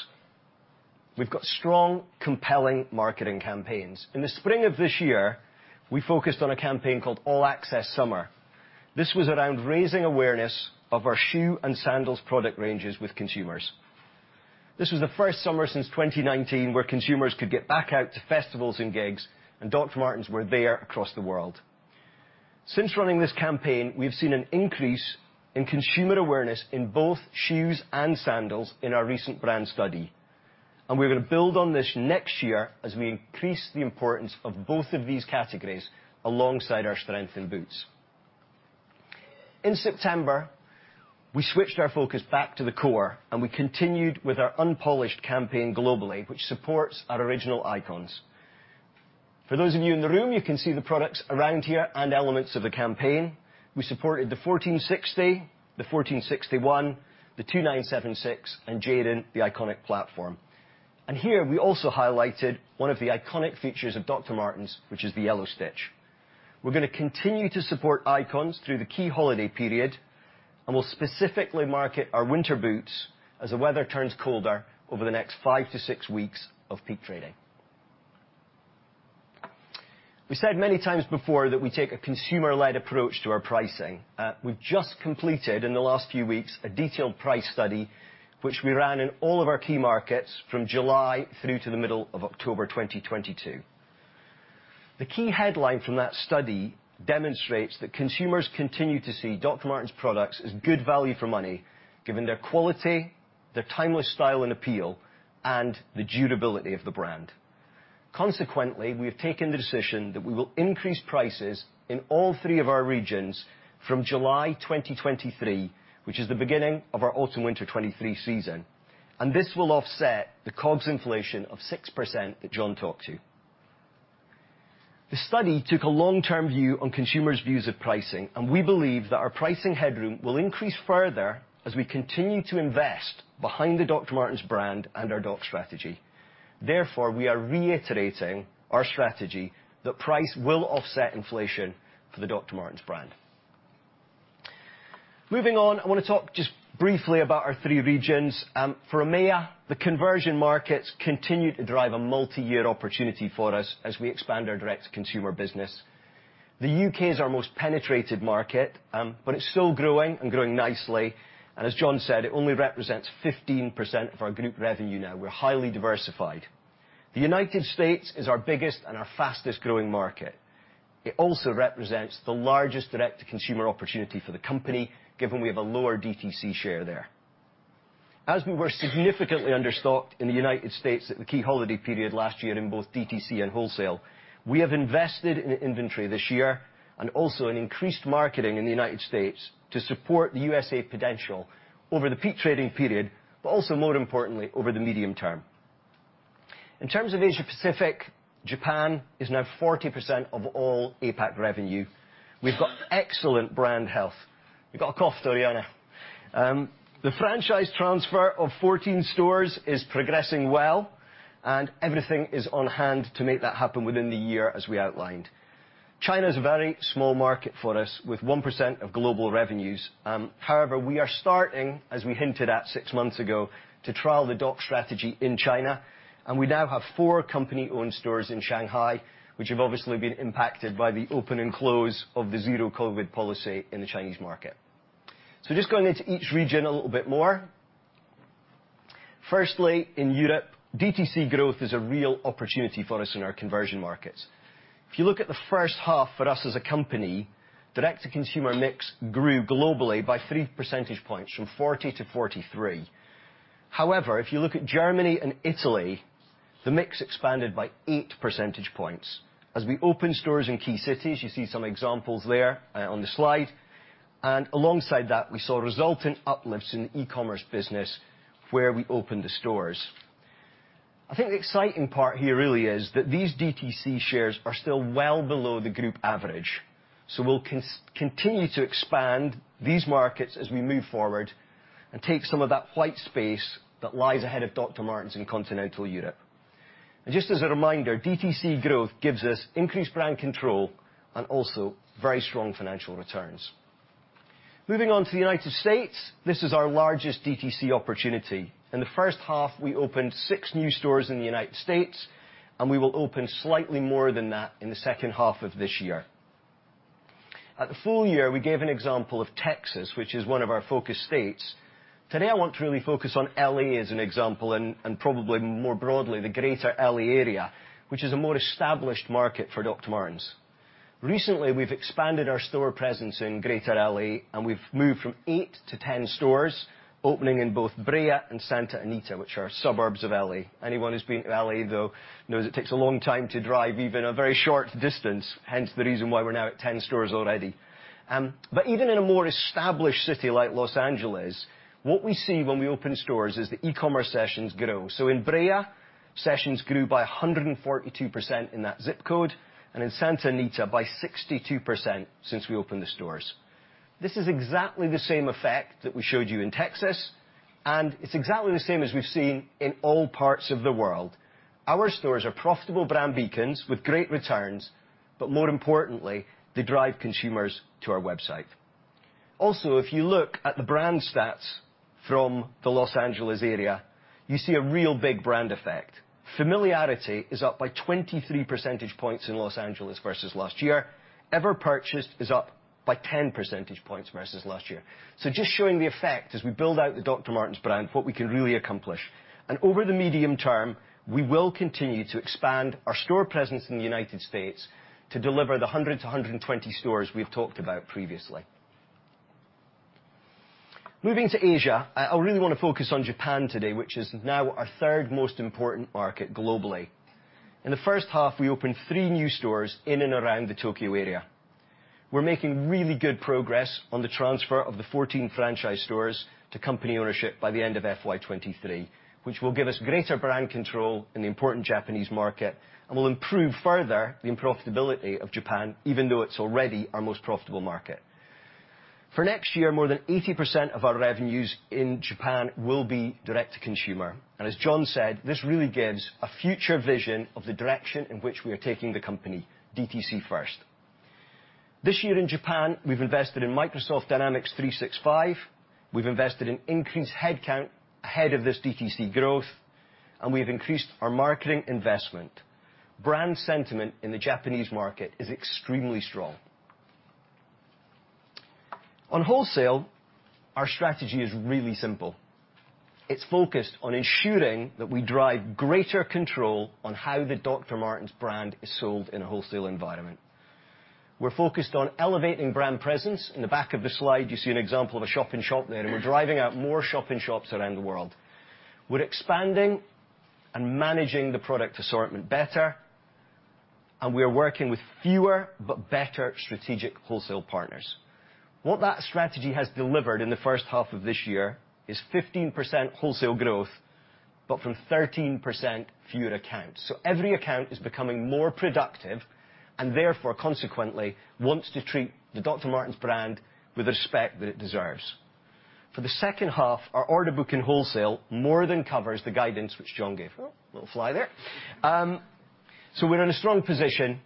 we've got strong, compelling marketing campaigns. In the spring of this year, we focused on a campaign called All Access Summer. This was around raising awareness of our shoe and sandals product ranges with consumers. This was the first summer since 2019 where consumers could get back out to festivals and gigs, Dr. Martens were there across the world. Since running this campaign, we've seen an increase in consumer awareness in both shoes and sandals in our recent brand study. We're gonna build on this next year as we increase the importance of both of these categories alongside our strength in boots. In September, we switched our focus back to the core, and we continued with our Unpolished campaign globally, which supports our original icons. For those of you in the room, you can see the products around here and elements of the campaign. We supported the 1460, the 1461, the 2976, and Jadon, the iconic platform. Here, we also highlighted one of the iconic features of Dr. Martens, which is the yellow stitch. We're gonna continue to support icons through the key holiday period, and we'll specifically market our winter boots as the weather turns colder over the next five to six weeks of peak trading. We said many times before that we take a consumer-led approach to our pricing. We've just completed in the last few weeks a detailed price study which we ran in all of our key markets from July through to the middle of October 2022. The key headline from that study demonstrates that consumers continue to see Dr. Martens products as good value for money given their quality, their timeless style and appeal, and the durability of the brand. Consequently, we have taken the decision that we will increase prices in all three of our regions from July 2023, which is the beginning of our autumn/winter 23 season. This will offset the COGS inflation of 6% that Jon talked to. The study took a long-term view on consumers' views of pricing, and we believe that our pricing headroom will increase further as we continue to invest behind the Dr. Martens brand and our DOCS strategy. We are reiterating our strategy that price will offset inflation for the Dr. Martens brand. Moving on, I wanna talk just briefly about our three regions. For EMEA, the conversion markets continue to drive a multiyear opportunity for us as we expand our direct-to-consumer business. The U.K. is our most penetrated market, but it's still growing and growing nicely. As Jon said, it only represents 15% of our group revenue now. We're highly diversified. The United States is our biggest and our fastest-growing market. It also represents the largest direct-to-consumer opportunity for the company given we have a lower DTC share there. As we were significantly understocked in the United States at the key holiday period last year in both DTC and wholesale, we have invested in inventory this year and also in increased marketing in the United States to support the USA potential over the peak trading period but also, more importantly, over the medium-term. In terms of Asia Pacific, Japan is now 40% of all APAC revenue. We've got excellent brand health. You've got a cough though, Rejena. The franchise transfer of 14 stores is progressing well. Everything is on hand to make that happen within the year as we outlined. China's a very small market for us with 1% of global revenues. We are starting, as we hinted at six months ago, to trial the DOCS strategy in China, and we now have four company-owned stores in Shanghai, which have obviously been impacted by the open and close of the zero-COVID policy in the Chinese market. Just going into each region a little bit more. Firstly, in Europe, DTC growth is a real opportunity for us in our conversion markets. If you look at the first half for us as a company, direct-to-consumer mix grew globally by three percentage points from 40 to 43. If you look at Germany and Italy, the mix expanded by eight percentage points. As we open stores in key cities, you see some examples there on the slide. Alongside that, we saw resultant uplifts in the e-commerce business where we opened the stores. I think the exciting part here really is that these DTC shares are still well below the group average. We'll continue to expand these markets as we move forward and take some of that flight space that lies ahead of Dr. Martens in Continental Europe. Just as a reminder, DTC growth gives us increased brand control and also very strong financial returns. Moving on to the United States, this is our largest DTC opportunity. In the first half, we opened six new stores in the United States, and we will open slightly more than that in the second half of this year. At the full year, we gave an example of Texas, which is one of our focus states. Today, I want to really focus on L.A. as an example and probably more broadly, the greater L.A. area, which is a more established market for Dr. Martens. Recently, we've expanded our store presence in greater L.A., we've moved from eight to 10 stores, opening in both Brea and Santa Anita, which are suburbs of L.A. Anyone who's been to L.A., though, knows it takes a long time to drive even a very short distance. Hence, the reason why we're now at 10 stores already. Even in a more established city like Los Angeles, what we see when we open stores is the e-commerce sessions grow. In Brea, sessions grew by 142% in that zip code and in Santa Anita by 62% since we opened the stores. This is exactly the same effect that we showed you in Texas. It's exactly the same as we've seen in all parts of the world. Our stores are profitable brand beacons with great returns, but more importantly, they drive consumers to our website. If you look at the brand stats from the L.A. area, you see a real big brand effect. Familiarity is up by 23 percentage points in L.A. versus last year. Ever purchased is up by 10 percentage points versus last year. Just showing the effect as we build out the Dr. Martens brand, what we can really accomplish. Over the medium-term, we will continue to expand our store presence in the United States to deliver the 100-120 stores we've talked about previously. Moving to Asia, I really wanna focus on Japan today, which is now our third most important market globally. In the first half, we opened three new stores in and around the Tokyo area. We're making really good progress on the transfer of the 14 franchise stores to company ownership by the end of FY23, which will give us greater brand control in the important Japanese market and will improve further the profitability of Japan, even though it's already our most profitable market. For next year, more than 80% of our revenues in Japan will be D2C. As Jon said, this really gives a future vision of the direction in which we are taking the company, DTC first. This year in Japan, we've invested in Microsoft Dynamics 365. We've invested in increased headcount ahead of this DTC growth, and we've increased our marketing investment. Brand sentiment in the Japanese market is extremely strong. On wholesale, our strategy is really simple. It's focused on ensuring that we drive greater control on how the Dr. Martens brand is sold in a wholesale environment. We're focused on elevating brand presence. In the back of the slide, you see an example of a shop-in-shop there, and we're driving out more shop-in-shops around the world. We're expanding and managing the product assortment better, and we're working with fewer but better strategic wholesale partners. What that strategy has delivered in the first half of this year is 15% wholesale growth, but from 13% fewer accounts. Every account is becoming more productive and therefore, consequently, wants to treat the Dr. Martens brand with the respect that it deserves. For the second half, our order book in wholesale more than covers the guidance which Jon gave. Oh, little fly there. We're in a strong position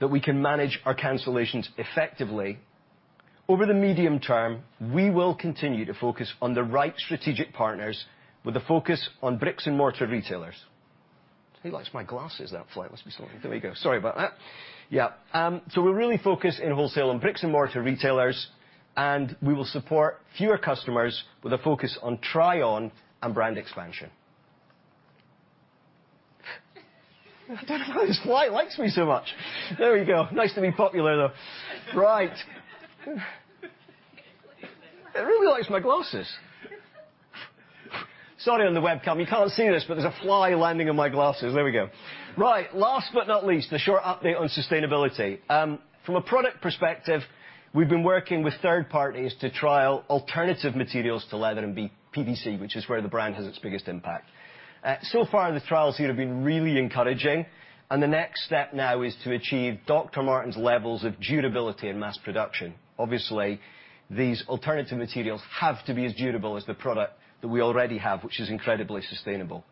that we can manage our cancellations effectively. Over the medium-term, we will continue to focus on the right strategic partners with a focus on bricks and mortar retailers. He likes my glasses, that fly. Let me sort it. There we go. Sorry about that. Yeah. We're really focused in wholesale on bricks and mortar retailers, and we will support fewer customers with a focus on try on and brand expansion. I don't know why this fly likes me so much. There we go. Nice to be popular, though. It really likes my glasses. Sorry on the webcam. You can't see this, but there's a fly landing on my glasses. There we go. Last but not least, a short update on sustainability. From a product perspective, we've been working with third parties to trial alternative materials to leather and PVC, which is where the brand has its biggest impact. So far, the trials seem to have been really encouraging, and the next step now is to achieve Dr. Martens levels of durability in mass production. Obviously, these alternative materials have to be as durable as the product that we already have, which is incredibly sustainable.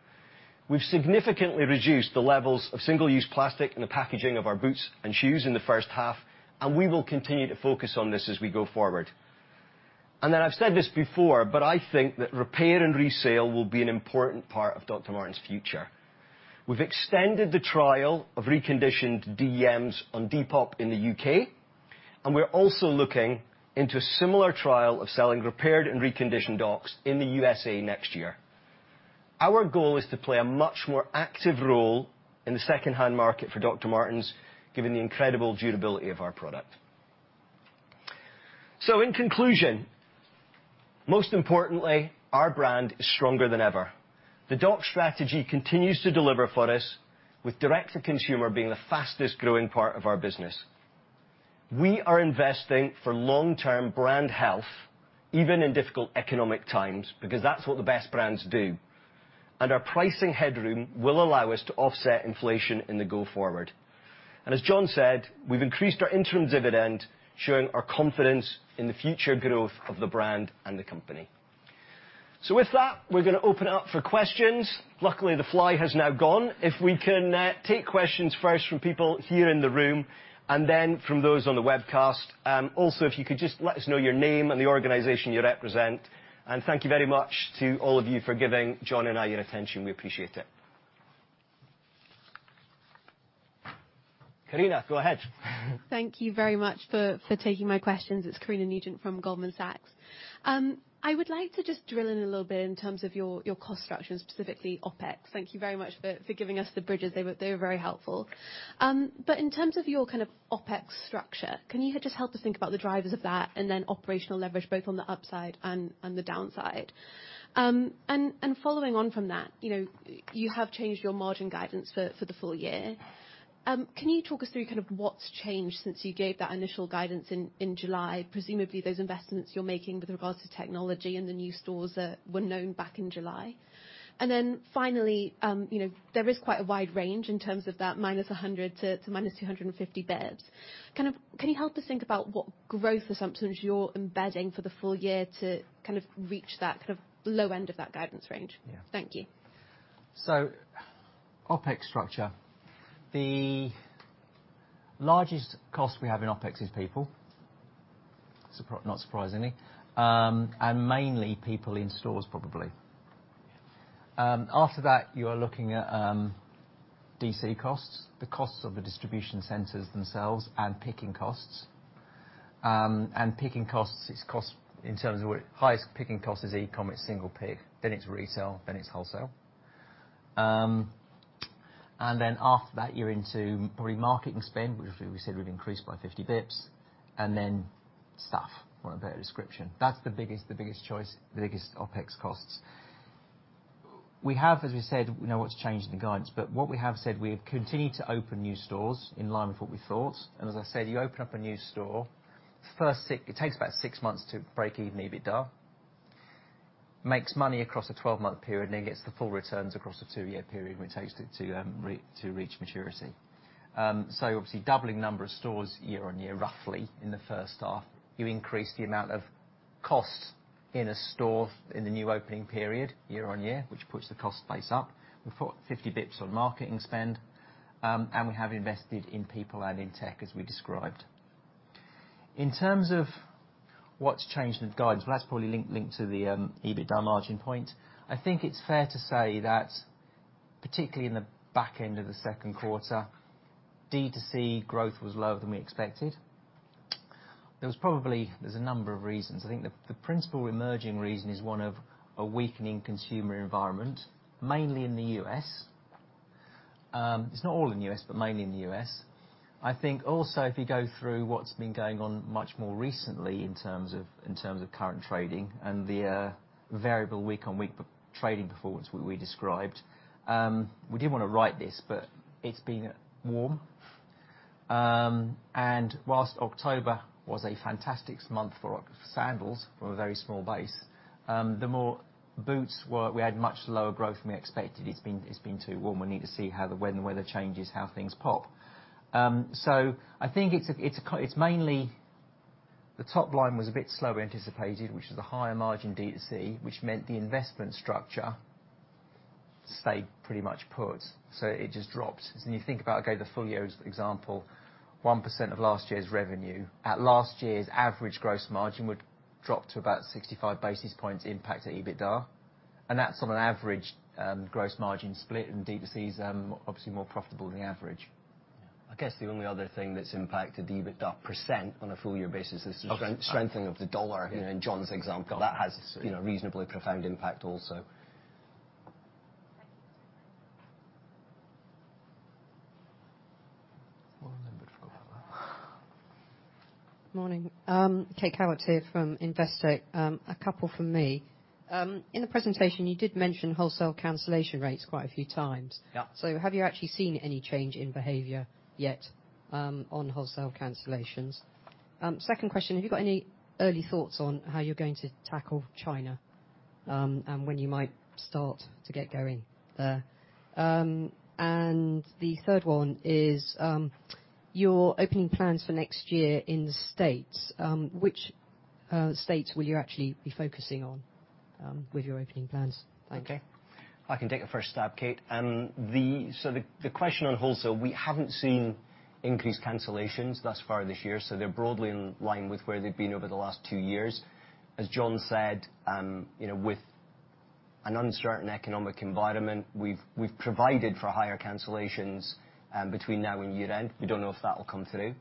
We've significantly reduced the levels of single-use plastic in the packaging of our boots and shoes in the first half. We will continue to focus on this as we go forward. I've said this before, but I think that repair and resale will be an important part of Dr. Martens' future. We've extended the trial of reconditioned DMs on Depop in the U.K. We're also looking into a similar trial of selling repaired and reconditioned docs in the USA next year. Our goal is to play a much more active role in the second-hand market for Dr. Martens, given the incredible durability of our product. In conclusion, most importantly, our brand is stronger than ever. The DOCS strategy continues to deliver for us, with direct to consumer being the fastest growing part of our business. We are investing for long-term brand health, even in difficult economic times, because that's what the best brands do. Our pricing headroom will allow us to offset inflation in the go forward. As Jon said, we've increased our interim dividend, showing our confidence in the future growth of the brand and the company. With that, we're gonna open up for questions. Luckily, the fly has now gone. If we can take questions first from people here in the room and then from those on the webcast. Also, if you could just let us know your name and the organization you represent. Thank you very much to all of you for giving Jon and I your attention. We appreciate it. Karina, go ahead. Thank you very much for taking my questions. It's Karina Nugent from Goldman Sachs. I would like to just drill in a little bit in terms of your cost structure, and specifically OpEx. Thank you very much for giving us the bridges. They were very helpful. But in terms of your kind of OpEx structure, can you just help us think about the drivers of that and then operational leverage both on the upside and the downside? Following on from that, you know, you have changed your margin guidance for the full year. Can you talk us through kind of what's changed since you gave that initial guidance in July? Presumably those investments you're making with regards to technology and the new stores that were known back in July. Finally, you know, there is quite a wide range in terms of that -100 to -250 basis points. Can you help us think about what growth assumptions you're embedding for the full year to kind of reach that kind of low end of that guidance range? Yeah. Thank you. So OpEx structure. The largest cost we have in OpEx is people. not surprisingly. mainly people in stores probably. after that, you are looking at DC costs, the costs of the distribution centers themselves, and picking costs. picking costs is cost in terms of where highest picking cost is e-commerce, single pick, then it's retail, then it's wholesale. then after that, you're into remarketing spend, which we said we'd increased by 50 bips, and then staff for a better description. That's the biggest choice, the biggest OpEx costs. We have, as we said, you know, what's changed in the guidance, but what we have said, we have continued to open new stores in line with what we thought. as I said, you open up a new store. First it takes about six months to break even EBITDA. Makes money across a 12-month period. It gets the full returns across the 2-year period when it takes to reach maturity. Obviously, doubling number of stores year-on-year, roughly in the first half, you increase the amount of costs in a store in the new opening period year-on-year, which pushes the cost base up. We put 50 bips on marketing spend. We have invested in people and in tech as we described. In terms of what's changed in the guidance, well, that's probably linked to the EBITDA margin point. I think it's fair to say that particularly in the back end of the second quarter, D2C growth was lower than we expected. There's a number of reasons. I think the principal emerging reason is one of a weakening consumer environment, mainly in the U.S. It's not all in the U.S., but mainly in the U.S.. I think also, if you go through what's been going on much more recently in terms of, in terms of current trading and the variable week-on-week trading performance we described, we didn't wanna write this, but it's been warm. And whilst October was a fantastic month for sandals from a very small base, the more boots we had much lower growth than we expected. It's been too warm. We need to see how when the weather changes, how things pop. So I think it's a, it's mainly the top line was a bit slower than anticipated, which is a higher margin D2C, which meant the investment structure stayed pretty much put, so it just dropped. When you think about, okay, the full year as example, 1% of last year's revenue at last year's average gross margin would drop to about 65 basis points impact to EBITDA. That's on an average gross margin split, D2C is obviously more profitable than the average. I guess the only other thing that's impacted the EBITDA % on a full year basis. Okay. strengthening of the dollar. Yeah. You know, in Jon's example. Got it. That has, you know, reasonably profound impact also. Thank you. One member forgot their microphone. Morning. Kate Calvert here from Investec. A couple from me. In the presentation, you did mention wholesale cancellation rates quite a few times. Yeah. Have you actually seen any change in behavior yet, on wholesale cancellations? Second question, have you got any early thoughts on how you're going to tackle China, and when you might start to get going there? The third one is, your opening plans for next year in the States, which states will you actually be focusing on, with your opening plans? Thank you. Okay. I can take a first stab, Kate. The question on wholesale, we haven't seen increased cancellations thus far this year. They're broadly in line with where they've been over the last two years. As Jon said, you know, with an uncertain economic environment, we've provided for higher cancellations between now and year-end. We don't know if that will come through.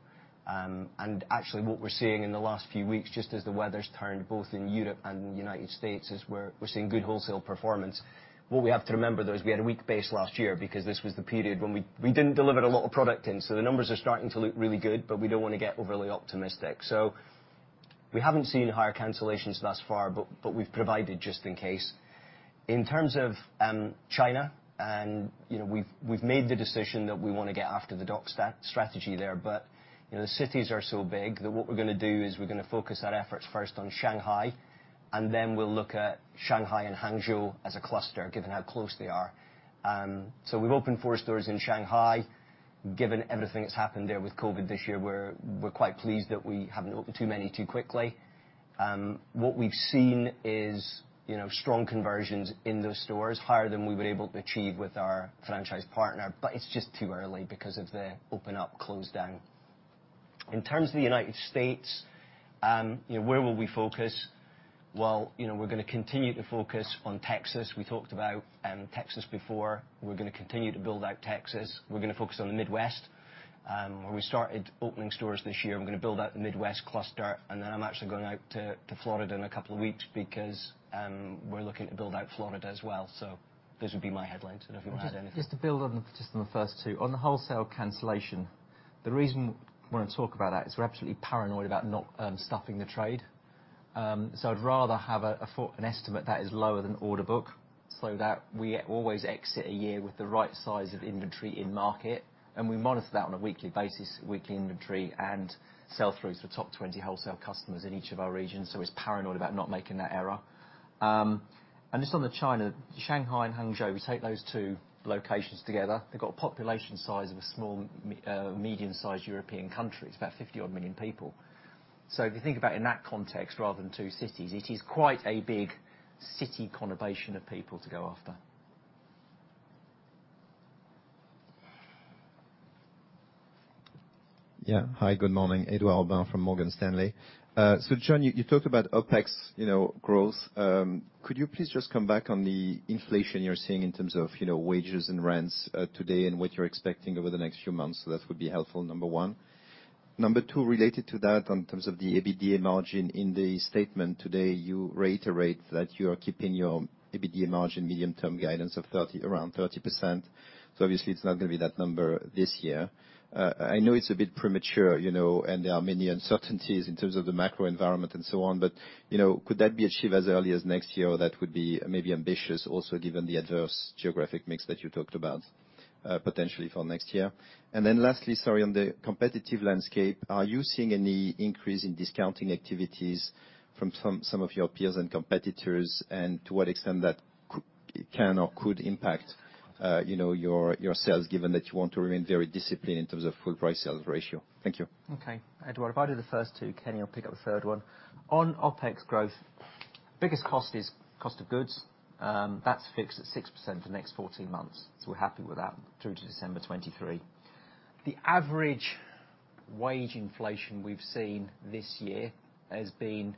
Actually what we're seeing in the last few weeks, just as the weather's turned both in Europe and United States, is we're seeing good wholesale performance. What we have to remember, though, is we had a weak base last year because this was the period when we didn't deliver a lot of product in. The numbers are starting to look really good, but we don't wanna get overly optimistic. We haven't seen higher cancellations thus far, but we've provided just in case. In terms of, China and, you know, we've made the decision that we wanna get after the DOCS strategy there. You know, the cities are so big that what we're gonna do is we're gonna focus our efforts first on Shanghai, and then we'll look at Shanghai and Hangzhou as a cluster, given how close they are. We've opened four stores in Shanghai. Given everything that's happened there with COVID this year, we're quite pleased that we haven't opened too many too quickly. What we've seen is, you know, strong conversions in those stores, higher than we were able to achieve with our franchise partner. It's just too early because of the open up, close down. In terms of the United States, you know, where will we focus? Well, you know, we're gonna continue to focus on Texas. We talked about Texas before. We're gonna continue to build out Texas. We're gonna focus on the Midwest, where we started opening stores this year. We're gonna build out the Midwest cluster, and then I'm actually going out to Florida in a couple of weeks because we're looking to build out Florida as well. Those would be my headlines. I don't know if you want to add anything. Just to build on just on the first two. On the wholesale cancellation, the reason we wanna talk about that is we're absolutely paranoid about not stuffing the trade. I'd rather have an estimate that is lower than order book so that we always exit a year with the right size of inventory in market. We monitor that on a weekly basis, weekly inventory and sell-throughs for top 20 wholesale customers in each of our regions. It's paranoid about not making that error. Just on the China, Shanghai and Hangzhou, we take those two locations together. They've got a population size of a small medium-sized European country. It's about 50-odd million people. If you think about it in that context rather than two cities, it is quite a big city conurbation of people to go after. Hi, good morning. Edouard Aubin from Morgan Stanley. Jon, you talked about OpEx, you know, growth. Could you please just come back on the inflation you're seeing in terms of, you know, wages and rents, today and what you're expecting over the next few months? That would be helpful, number one. Number two, related to that, on terms of the EBITDA margin in the statement today, you reiterate that you are keeping your EBITDA margin medium-term guidance of 30%, around 30%. Obviously it's not gonna be that number this year. I know it's a bit premature, you know, and there are many uncertainties in terms of the macro environment and so on, but, you know, could that be achieved as early as next year? That would be maybe ambitious also given the adverse geographic mix that you talked about, potentially for next year. Lastly, sorry, on the competitive landscape, are you seeing any increase in discounting activities from some of your peers and competitors? To what extent that can or could impact, you know, your sales given that you want to remain very disciplined in terms of full price sales ratio? Thank you. Okay. Edouard, if I do the first two, Kenny will pick up the third one. On OpEx growth, biggest cost is cost of goods. That's fixed at 6% the next 14 months, so we're happy with that through to December 2023. The average wage inflation we've seen this year has been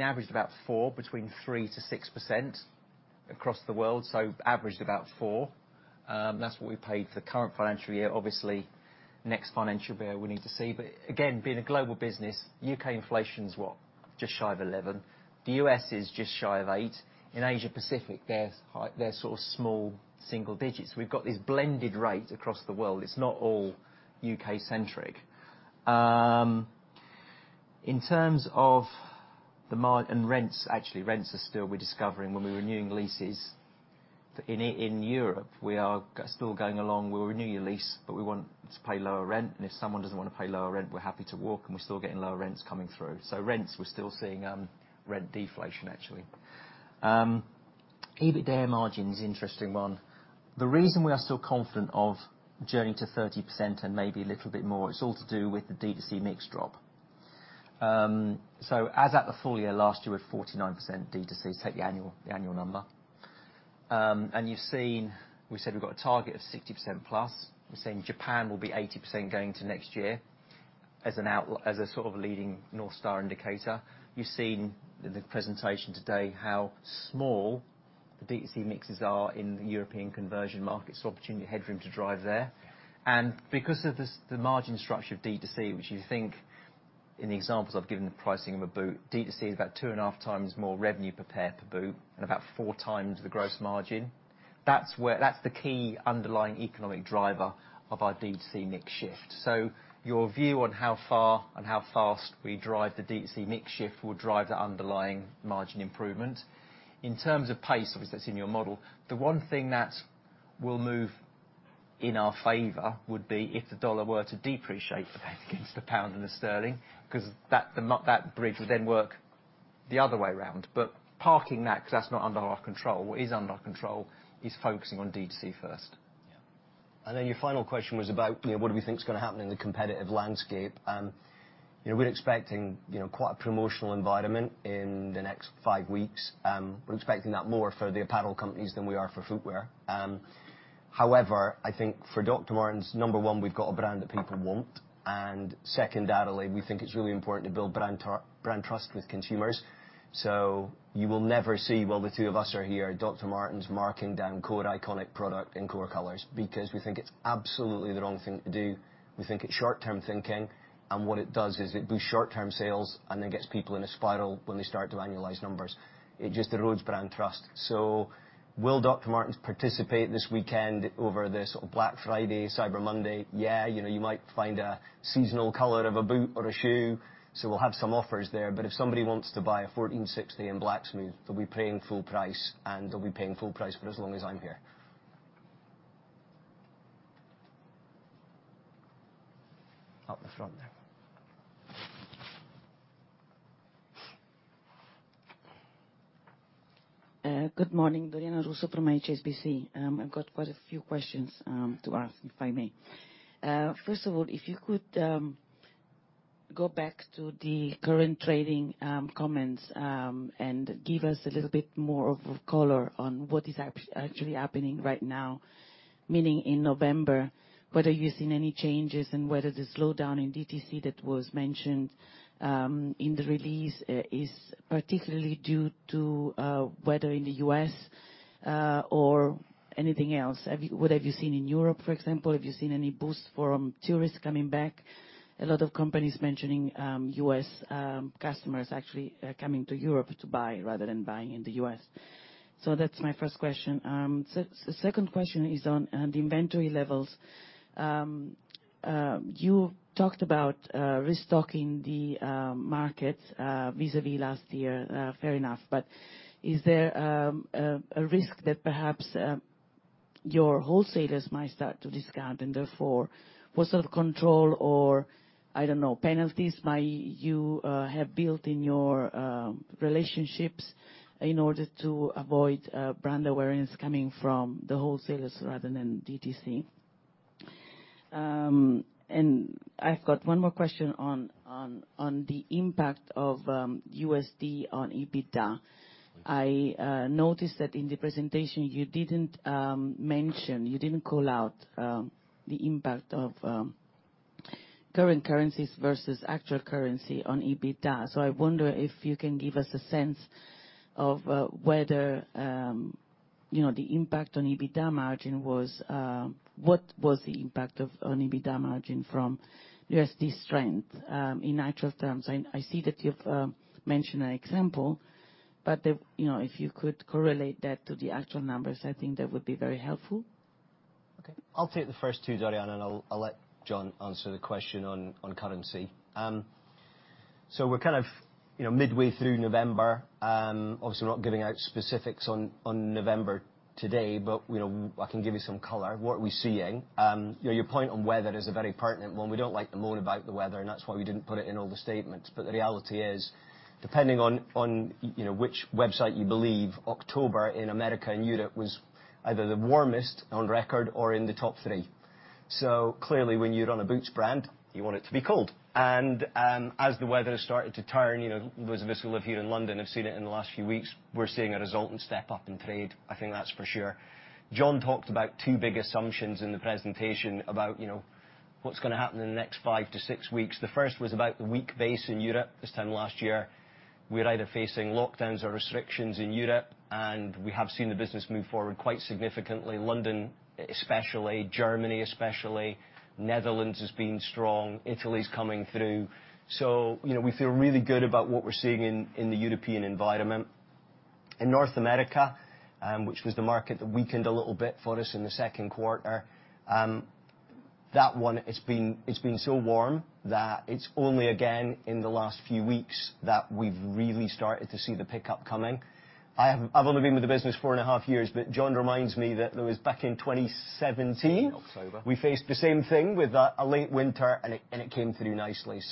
averaged about four, between 3%-6% across the world, so averaged about four. That's what we paid for the current financial year. Obviously, next financial year, we need to see. Again, being a global business, U.K. inflation's, what, just shy of 11. The U.S. is just shy of eight. In Asia Pacific, they're high, they're sort of small single digits. We've got this blended rate across the world. It's not all U.K.-centric. In terms of rents, actually, rents are still, we're discovering when we're renewing leases in Europe, we are still going along, we'll renew your lease, we want to pay lower rent. If someone doesn't wanna pay lower rent, we're happy to walk, we're still getting lower rents coming through. Rents, we're still seeing rent deflation actually. EBITDA margin is interesting one. The reason we are still confident of journey to 30% and maybe a little bit more is all to do with the D2C mix drop. As at the full year, last year was 49% D2C, take the annual number. You've seen, we said we've got a target of 60% plus. We're saying Japan will be 80% going to next year as a sort of leading North Star indicator. You've seen in the presentation today how small the D2C mixes are in the European conversion markets. Opportunity, headroom to drive there. Because of this, the margin structure of D2C, which you think in the examples I've given, the pricing of a boot, D2C is about 2.5 times more revenue per pair per boot and about four times the gross margin. That's where, that's the key underlying economic driver of our D2C mix shift. Your view on how far and how fast we drive the D2C mix shift will drive the underlying margin improvement. In terms of pace, obviously that's in your model, the one thing that will move in our favor would be if the dollar were to depreciate against the pound and the sterling, because that bridge would then work the other way around. Parking that, because that's not under our control, what is under our control is focusing on D2C first. Yeah. Your final question was about, you know, what do we think is gonna happen in the competitive landscape. You know, we're expecting, you know, quite a promotional environment in the next five weeks. We're expecting that more for the apparel companies than we are for footwear. I think for Dr. Martens, number one, we've got a brand that people want, and secondarily, we think it's really important to build brand trust with consumers. You will never see while the two of us are here, Dr. Martens marking down core iconic product in core colors, because we think it's absolutely the wrong thing to do. We think it's short-term thinking, and what it does is it boosts short-term sales and then gets people in a spiral when they start to annualize numbers. It just erodes brand trust. Will Dr. Martens participate this weekend over this Black Friday, Cyber Monday? Yeah. You know, you might find a seasonal color of a boot or a shoe, so we'll have some offers there. If somebody wants to buy a 1460 in Black Smooth, they'll be paying full price, and they'll be paying full price for as long as I'm here. Up the front there. Good morning. Doriana Russo from HSBC. I've got quite a few questions to ask if I may. First of all, if you could go back to the current trading comments and give us a little bit more of color on what is actually happening right now, meaning in November. Whether you're seeing any changes and whether the slowdown in D2C that was mentioned in the release is particularly due to whether in the U.S. or anything else. What have you seen in Europe, for example? A lot of companies mentioning U.S. customers actually coming to Europe to buy rather than buying in the U.S. That's my first question. Second question is on the inventory levels. You talked about restocking the market vis-à-vis last year. Fair enough. Is there a risk that perhaps your wholesalers might start to discount and therefore what sort of control or, I don't know, penalties might you have built in your relationships in order to avoid brand awareness coming from the wholesalers rather than D2C? I've got one more question on the impact of USD on EBITDA. I noticed that in the presentation you didn't mention, you didn't call out the impact of current currencies versus actual currency on EBITDA. I wonder if you can give us a sense of whether, you know, what was the impact of, on EBITDA margin from USD strength in actual terms? I see that you've mentioned an example. You know, if you could correlate that to the actual numbers, I think that would be very helpful. Okay. I'll take the first two, Doriana, and I'll let Jon answer the question on currency. We're kind of, you know, midway through November. Obviously not giving out specifics on November today, but, you know, I can give you some color, what we're seeing. You know, your point on weather is a very pertinent one. We don't like to moan about the weather, that's why we didn't put it in all the statements. The reality is, depending on, you know, which website you believe, October in America and Europe was either the warmest on record or in the top three. Clearly when you run a boots brand, you want it to be cold. As the weather has started to turn, you know, those of us who live here in London have seen it in the last few weeks, we're seeing a resultant step up in trade, I think that's for sure. Jon talked about two big assumptions in the presentation about, you know, what's gonna happen in the next five to six weeks. The first was about the weak base in Europe this time last year. We're either facing lockdowns or restrictions in Europe, and we have seen the business move forward quite significantly. London especially, Germany especially, Netherlands has been strong, Italy's coming through. You know, we feel really good about what we're seeing in the European environment. In North America, which was the market that weakened a little bit for us in the second quarter, that one, it's been so warm that it's only again in the last few weeks that we've really started to see the pickup coming. I've only been with the business four and a half years, Jon reminds me that there was back in 2017. October. we faced the same thing with a late winter, and it came through nicely.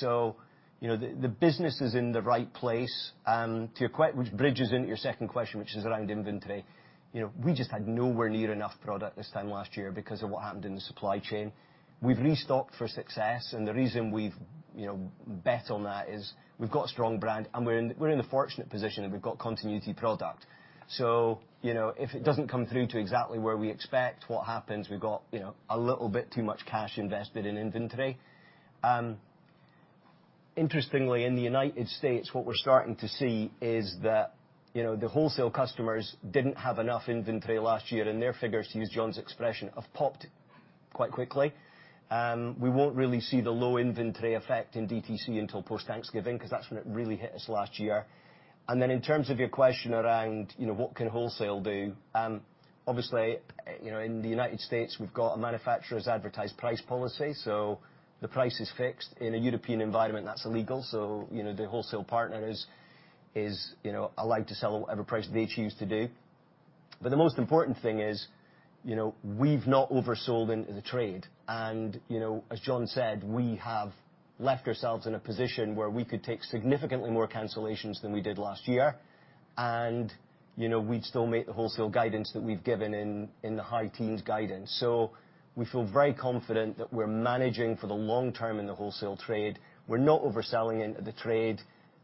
you know, the business is in the right place. To your question, which bridges into your second question, which is around inventory, you know, we just had nowhere near enough product this time last year because of what happened in the supply chain. We've restocked for success, and the reason we've, you know, bet on that is we've got a strong brand, and we're in the fortunate position of we've got continuity product. you know, if it doesn't come through to exactly where we expect, what happens, we've got, you know, a little bit too much cash invested in inventory. Interestingly, in the United States, what we're starting to see is that, you know, the wholesale customers didn't have enough inventory last year. Their figures, to use Jon's expression, have popped quite quickly. We won't really see the low inventory effect in DTC until post-Thanksgiving, 'cause that's when it really hit us last year. In terms of your question around, you know, what can wholesale do, obviously, you know, in the United States we've got a Minimum Advertised Price policy. The price is fixed. In a European environment, that's illegal. You know, the wholesale partner is, you know, allowed to sell at whatever price they choose to do. The most important thing is, you know, we've not oversold in the trade. You know, as Jon said, we have left ourselves in a position where we could take significantly more cancellations than we did last year, and, you know, we'd still make the wholesale guidance that we've given in the high teens guidance. We feel very confident that we're managing for the long-term in the wholesale trade. We're not overselling in the trade,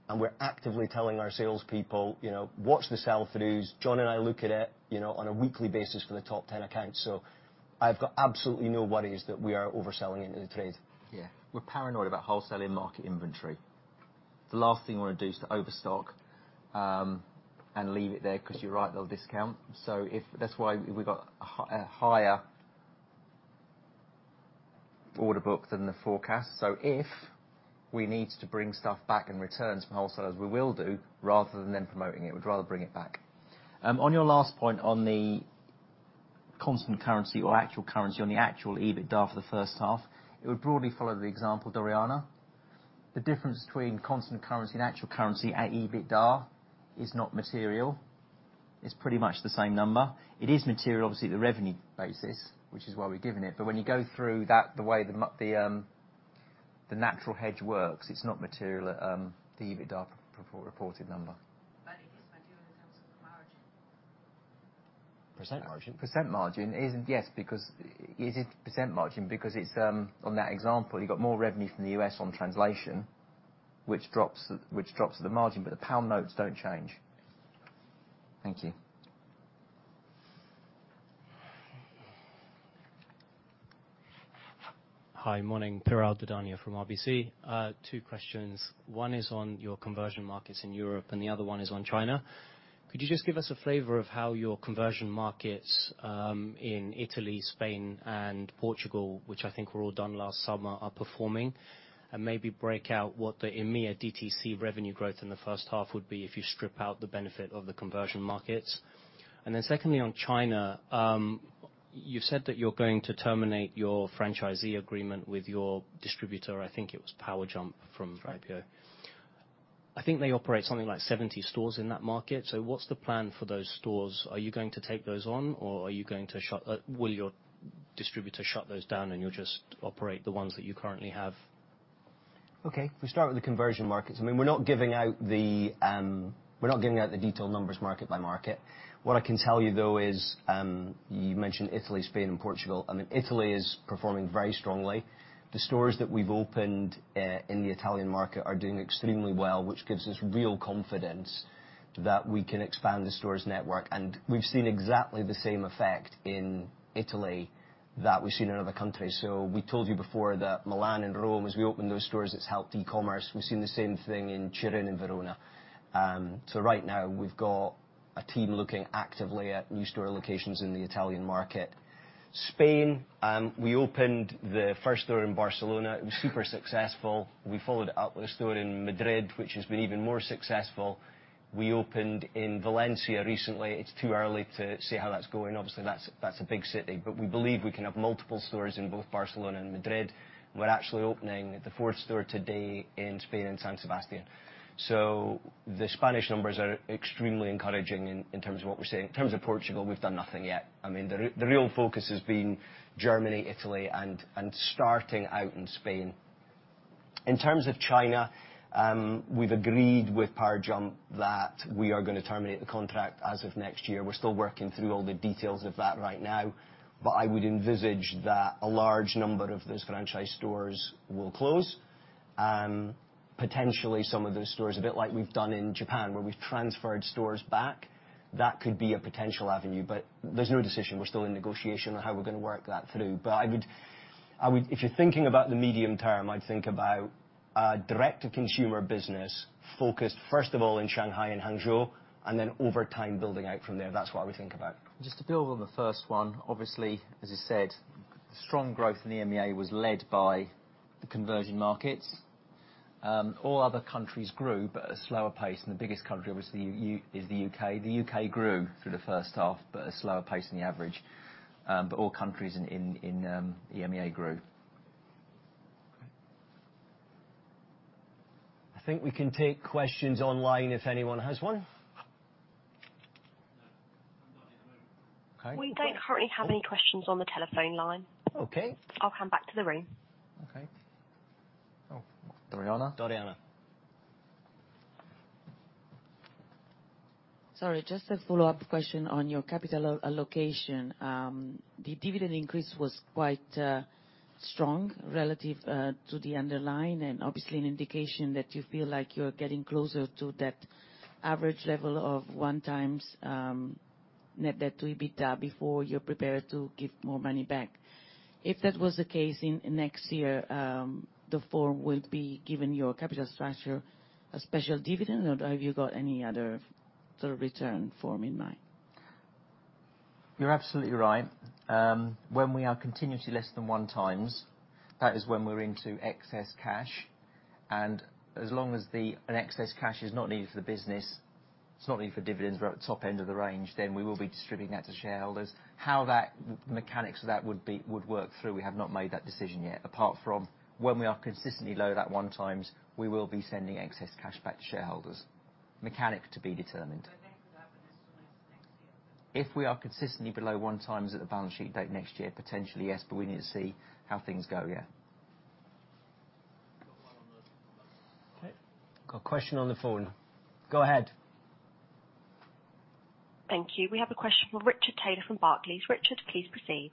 and we're actively telling our salespeople, you know, "Watch the sell-throughs." Jon and I look at it, you know, on a weekly basis for the top 10 accounts. I've got absolutely no worries that we are overselling into the trade. We're paranoid about wholesaling market inventory. The last thing we wanna do is to overstock and leave it there, 'cause you're right, they'll discount. That's why we've got a higher order book than the forecast. If we need to bring stuff back in returns from wholesalers, we will do, rather than them promoting it. We'd rather bring it back. On your last point, on the constant currency or actual currency, on the actual EBITDA for the first half, it would broadly follow the example, Doriana. The difference between constant currency and actual currency at EBITDA is not material. It's pretty much the same number. It is material, obviously, at the revenue basis, which is why we've given it. When you go through that, the way the natural hedge works, it's not material at the EBITDA reported number. It is material in terms of the margin? % margin? Percent margin is. Yes, because it is percent margin, because it's on that example, you've got more revenue from the U.S. on translation, which drops the margin, but the pound notes don't change. Yes. Thank you. Hi. Morning. Piral Dadhania from RBC. Two questions. One is on your conversion markets in Europe, and the other one is on China. Could you just give us a flavor of how your conversion markets in Italy, Spain, and Portugal, which I think were all done last summer, are performing? Maybe break out what the EMEA DTC revenue growth in the first half would be if you strip out the benefit of the conversion markets. Secondly, on China, you've said that you're going to terminate your franchisee agreement with your distributor, I think it was Pou Sheng from IPO. Right. I think they operate something like 70 stores in that market. What's the plan for those stores? Are you going to take those on or are you going to shut, will your distributor shut those down and you'll just operate the ones that you currently have? Okay. We start with the conversion markets. I mean, we're not giving out the detailed numbers market by market. What I can tell you, though, is, you mentioned Italy, Spain, and Portugal. I mean, Italy is performing very strongly. The stores that we've opened in the Italian market are doing extremely well, which gives us real confidence that we can expand the stores' network, and we've seen exactly the same effect in Italy that we've seen in other countries. We told you before that Milan and Rome, as we open those stores, it's helped e-commerce. We've seen the same thing in Turin and Verona. Right now we've got a team looking actively at new store locations in the Italian market. Spain, we opened the first store in Barcelona. It was super successful. We followed it up with a store in Madrid, which has been even more successful. We opened in Valencia recently. It's too early to see how that's going. Obviously, that's a big city. We believe we can have multiple stores in both Barcelona and Madrid. We're actually opening the fourth store today in Spain, in San Sebastián. The Spanish numbers are extremely encouraging in terms of what we're seeing. In terms of Portugal, we've done nothing yet. I mean, the real focus has been Germany, Italy, and starting out in Spain. In terms of China, we've agreed with Pou Sheng that we are going to terminate the contract as of next year. We're still working through all the details of that right now. I would envisage that a large number of those franchise stores will close. Potentially some of those stores, a bit like we've done in Japan, where we've transferred stores back, that could be a potential avenue. There's no decision. We're still in negotiation on how we're gonna work that through. I would, if you're thinking about the medium-term, I'd think about a direct-to-consumer business focused first of all in Shanghai and Hangzhou, and then over time, building out from there. That's what I would think about. Just to build on the first one, obviously, as I said, strong growth in the EMEA was led by the conversion markets. All other countries grew but at a slower pace, and the biggest country obviously is the U.K.. The U.K. grew through the first half, but a slower pace than the average. All countries in EMEA grew. Okay. I think we can take questions online if anyone has one. No. Not at the moment. Okay. We don't currently have any questions on the telephone line. Okay. I'll come back to the room. Okay. Oh, Doriana. Doriana. Sorry, just a follow-up question on your capital allocation. The dividend increase was quite strong relative to the underlying, and obviously an indication that you feel like you're getting closer to that average level of one times net debt to EBITDA before you're prepared to give more money back. If that was the case in next year, the form would be given your capital structure a special dividend, or have you got any other sort of return form in mind? You're absolutely right. When we are continuously less than one times, that is when we're into excess cash. As long as an excess cash is not needed for the business, it's not needed for dividends. We're at the top end of the range, we will be distributing that to shareholders. How that mechanics of that would work through, we have not made that decision yet. Apart from when we are consistently low that one times, we will be sending excess cash back to shareholders. Mechanic to be determined. That could happen as soon as next year, then. If we are consistently below one times at the balance sheet date next year, potentially, yes, but we need to see how things go, yeah. Got one on the phone. Okay. Got a question on the phone. Go ahead. Thank you. We have a question from Richard Taylor from Barclays. Richard, please proceed.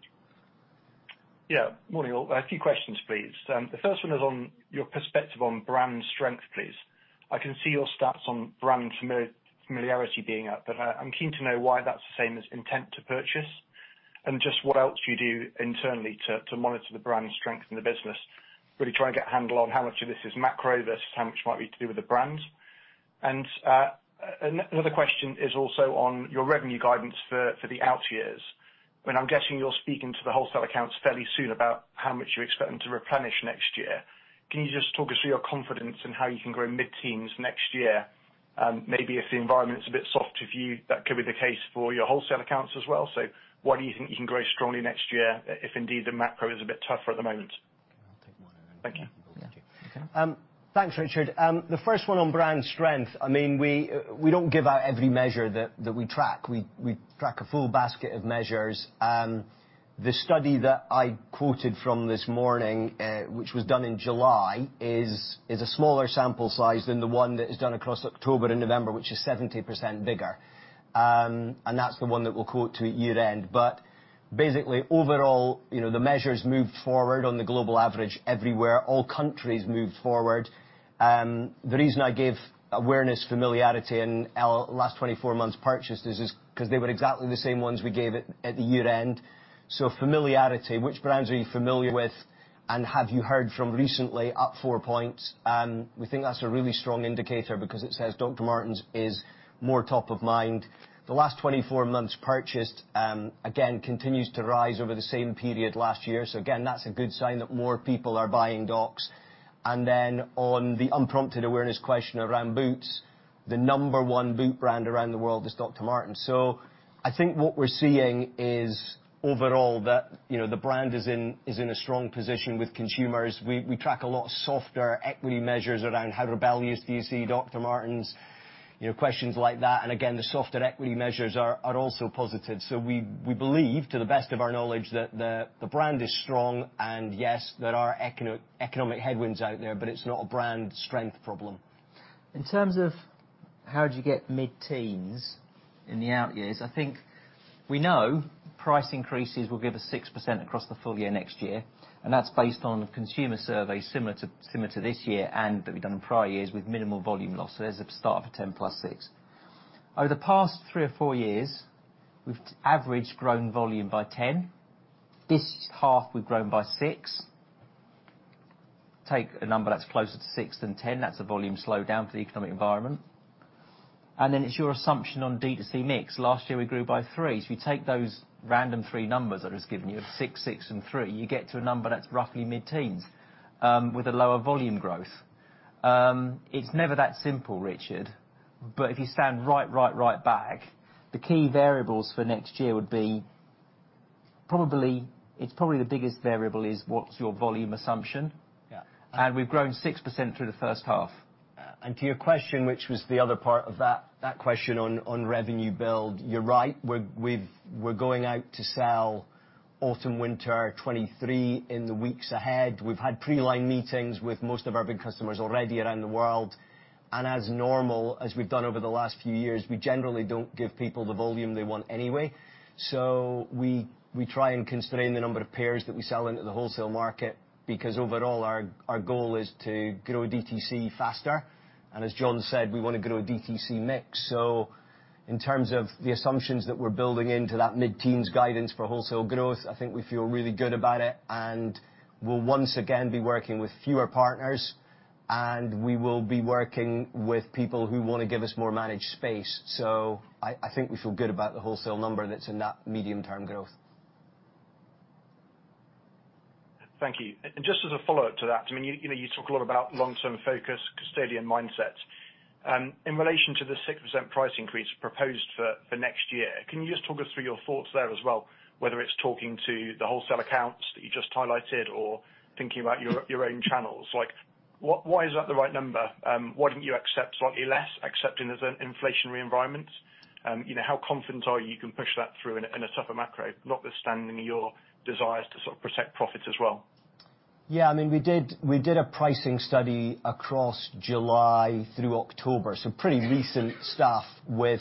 Yeah. Morning, all. A few questions, please. The first one is on your perspective on brand strength, please. I can see your stats on brand familiarity being up, but I'm keen to know why that's the same as intent to purchase and just what else you do internally to monitor the brand strength in the business. Really try and get a handle on how much of this is macro versus how much might be to do with the brand. Another question is also on your revenue guidance for the out years. When I'm guessing you're speaking to the wholesale accounts fairly soon about how much you expect them to replenish next year. Can you just talk us through your confidence in how you can grow mid-teens next year? Maybe if the environment's a bit soft, if you, that could be the case for your wholesale accounts as well. Why do you think you can grow strongly next year if indeed the macro is a bit tougher at the moment? Okay. I'll take one. Thank you. you can go, Kenny. Yeah. Okay. Thanks, Richard. The first one on brand strength, I mean, we don't give out every measure that we track. We track a full basket of measures. The study that I quoted from this morning, which was done in July, is a smaller sample size than the one that is done across October and November, which is 70% bigger. That's the one that we'll quote to at year end. Basically, overall, you know, the measures moved forward on the global average everywhere. All countries moved forward. The reason I gave awareness familiarity in last 24 months purchases is 'cause they were exactly the same ones we gave at the year end. Familiarity, which brands are you familiar with and have you heard from recently, up four points. We think that's a really strong indicator because it says Dr. Martens is more top of mind. The last 24 months purchased, again, continues to rise over the same period last year. Again, that's a good sign that more people are buying Docs. On the unprompted awareness question around boots, the number one boot brand around the world is Dr. Martens. I think what we're seeing is overall that, you know, the brand is in a strong position with consumers. We track a lot of softer equity measures around how rebellious do you see Dr. Martens, you know, questions like that. Again, the softer equity measures are also positive. We believe, to the best of our knowledge, that the brand is strong. Yes, there are economic headwinds out there, but it's not a brand strength problem. How'd you get mid-teens in the out years? I think we know price increases will give us 6% across the full year next year. That's based on a consumer survey similar to this year, and that we've done in prior years with minimal volume loss. There's a start of a 10 + six. Over the past three or four years, we've average grown volume by 10. This half, we've grown by six. Take a number that's closer to six than 10, that's a volume slowdown for the economic environment. Then it's your assumption on D2C mix. Last year we grew by three. If you take those random three numbers I've just given you, of six and three, you get to a number that's roughly mid-teens with a lower volume growth. It's never that simple, Richard, if you stand right back, the key variables for next year would be It's probably the biggest variable, is what's your volume assumption? Yeah. We've grown 6% through the first half. To your question, which was the other part of that question on revenue build, you're right. We're going out to sell autumn/winter 2023 in the weeks ahead. We've had pre-line meetings with most of our big customers already around the world, and as normal, as we've done over the last few years, we generally don't give people the volume they want anyway. We try and constrain the number of pairs that we sell into the wholesale market because overall, our goal is to grow D2C faster. As Jon said, we wanna grow D2C mix. In terms of the assumptions that we're building into that mid-teens guidance for wholesale growth, I think we feel really good about it, and we'll once again be working with fewer partners, and we will be working with people who wanna give us more managed space. I think we feel good about the wholesale number that's in that medium-term growth. Thank you. Just as a follow-up to that, I mean, you know, you talk a lot about long-term focus, custodian mindsets. In relation to the 6% price increase proposed for next year, can you just talk us through your thoughts there as well, whether it's talking to the wholesale accounts that you just highlighted or thinking about your own channels? Like, why is that the right number? Why don't you accept slightly less, accepting there's an inflationary environment? You know, how confident are you can push that through in a tougher macro, notwithstanding your desires to sort of protect profits as well? Yeah, I mean, we did a pricing study across July through October, so pretty recent stuff with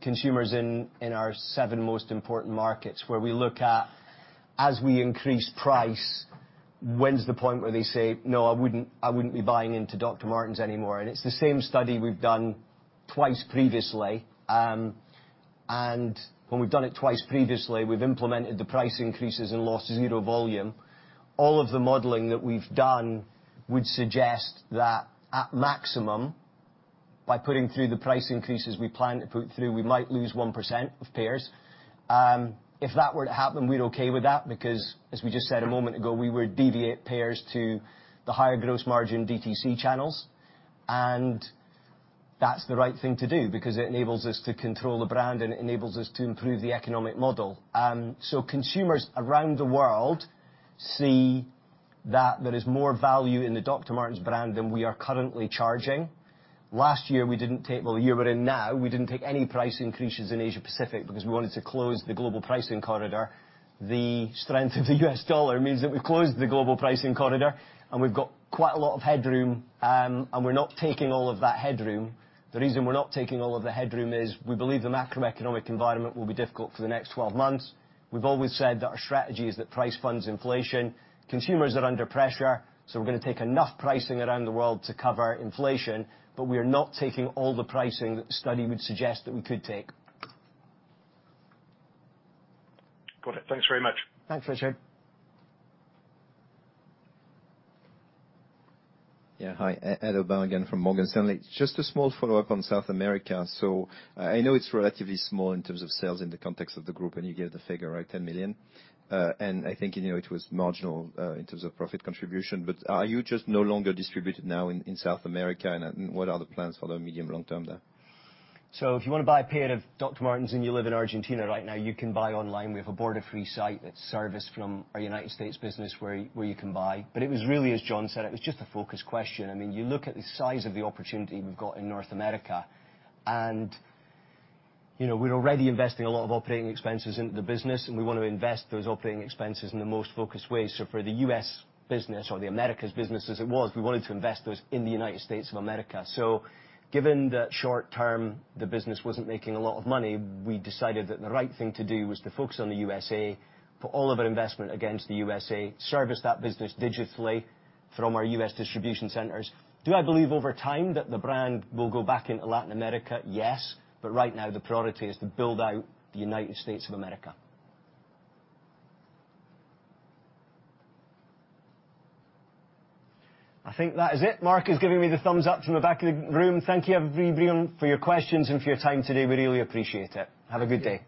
consumers in our seven most important markets, where we look at, as we increase price, when's the point where they say, "No, I wouldn't, I wouldn't be buying into Dr. Martens anymore." It's the same study we've done twice previously. When we've done it twice previously, we've implemented the price increases and lost zero volume. All of the modeling that we've done would suggest that at maximum, by putting through the price increases we plan to put through, we might lose 1% of pairs. If that were to happen, we're okay with that because, as we just said a moment ago, we would deviate pairs to the higher gross margin D2C channels. That's the right thing to do because it enables us to control the Dr. Martens brand and enables us to improve the economic model. Consumers around the world see that there is more value in the Dr. Martens brand than we are currently charging. Last year, the year we're in now, we didn't take any price increases in Asia-Pacific because we wanted to close the global pricing corridor. The strength of the US dollar means that we've closed the global pricing corridor, and we've got quite a lot of headroom, and we're not taking all of that headroom. The reason we're not taking all of the headroom is we believe the macroeconomic environment will be difficult for the next 12 months. We've always said that our strategy is that price funds inflation. Consumers are under pressure. We're gonna take enough pricing around the world to cover inflation. We are not taking all the pricing that the study would suggest that we could take. Got it. Thanks very much. Thanks, Richard. Yeah. Hi. Edouard Aubin again from Morgan Stanley. Just a small follow-up on South America. I know it's relatively small in terms of sales in the context of the group, and you gave the figure, right, 10 million. I think, you know, it was marginal in terms of profit contribution. Are you just no longer distributed now in South America? What are the plans for the medium long-term there? If you wanna buy a pair of Dr. Martens and you live in Argentina right now, you can buy online. We have a border-free site that's serviced from our United States business where you can buy. It was really, as Jon said, it was just a focus question. I mean, you look at the size of the opportunity we've got in North America and, you know, we're already investing a lot of operating expenses into the business and we want to invest those operating expenses in the most focused way. For the U.S. business or the Americas business as it was, we wanted to invest those in the United States of America. Given that short-term, the business wasn't making a lot of money, we decided that the right thing to do was to focus on the USA, put all of our investment against the USA, service that business digitally from our U.S. distribution centers. Do I believe over time that the brand will go back into Latin America? Yes. Right now, the priority is to build out the United States of America. I think that is it. Mark is giving me the thumbs up from the back of the room. Thank you, everybody, for your questions and for your time today. We really appreciate it. Have a good day.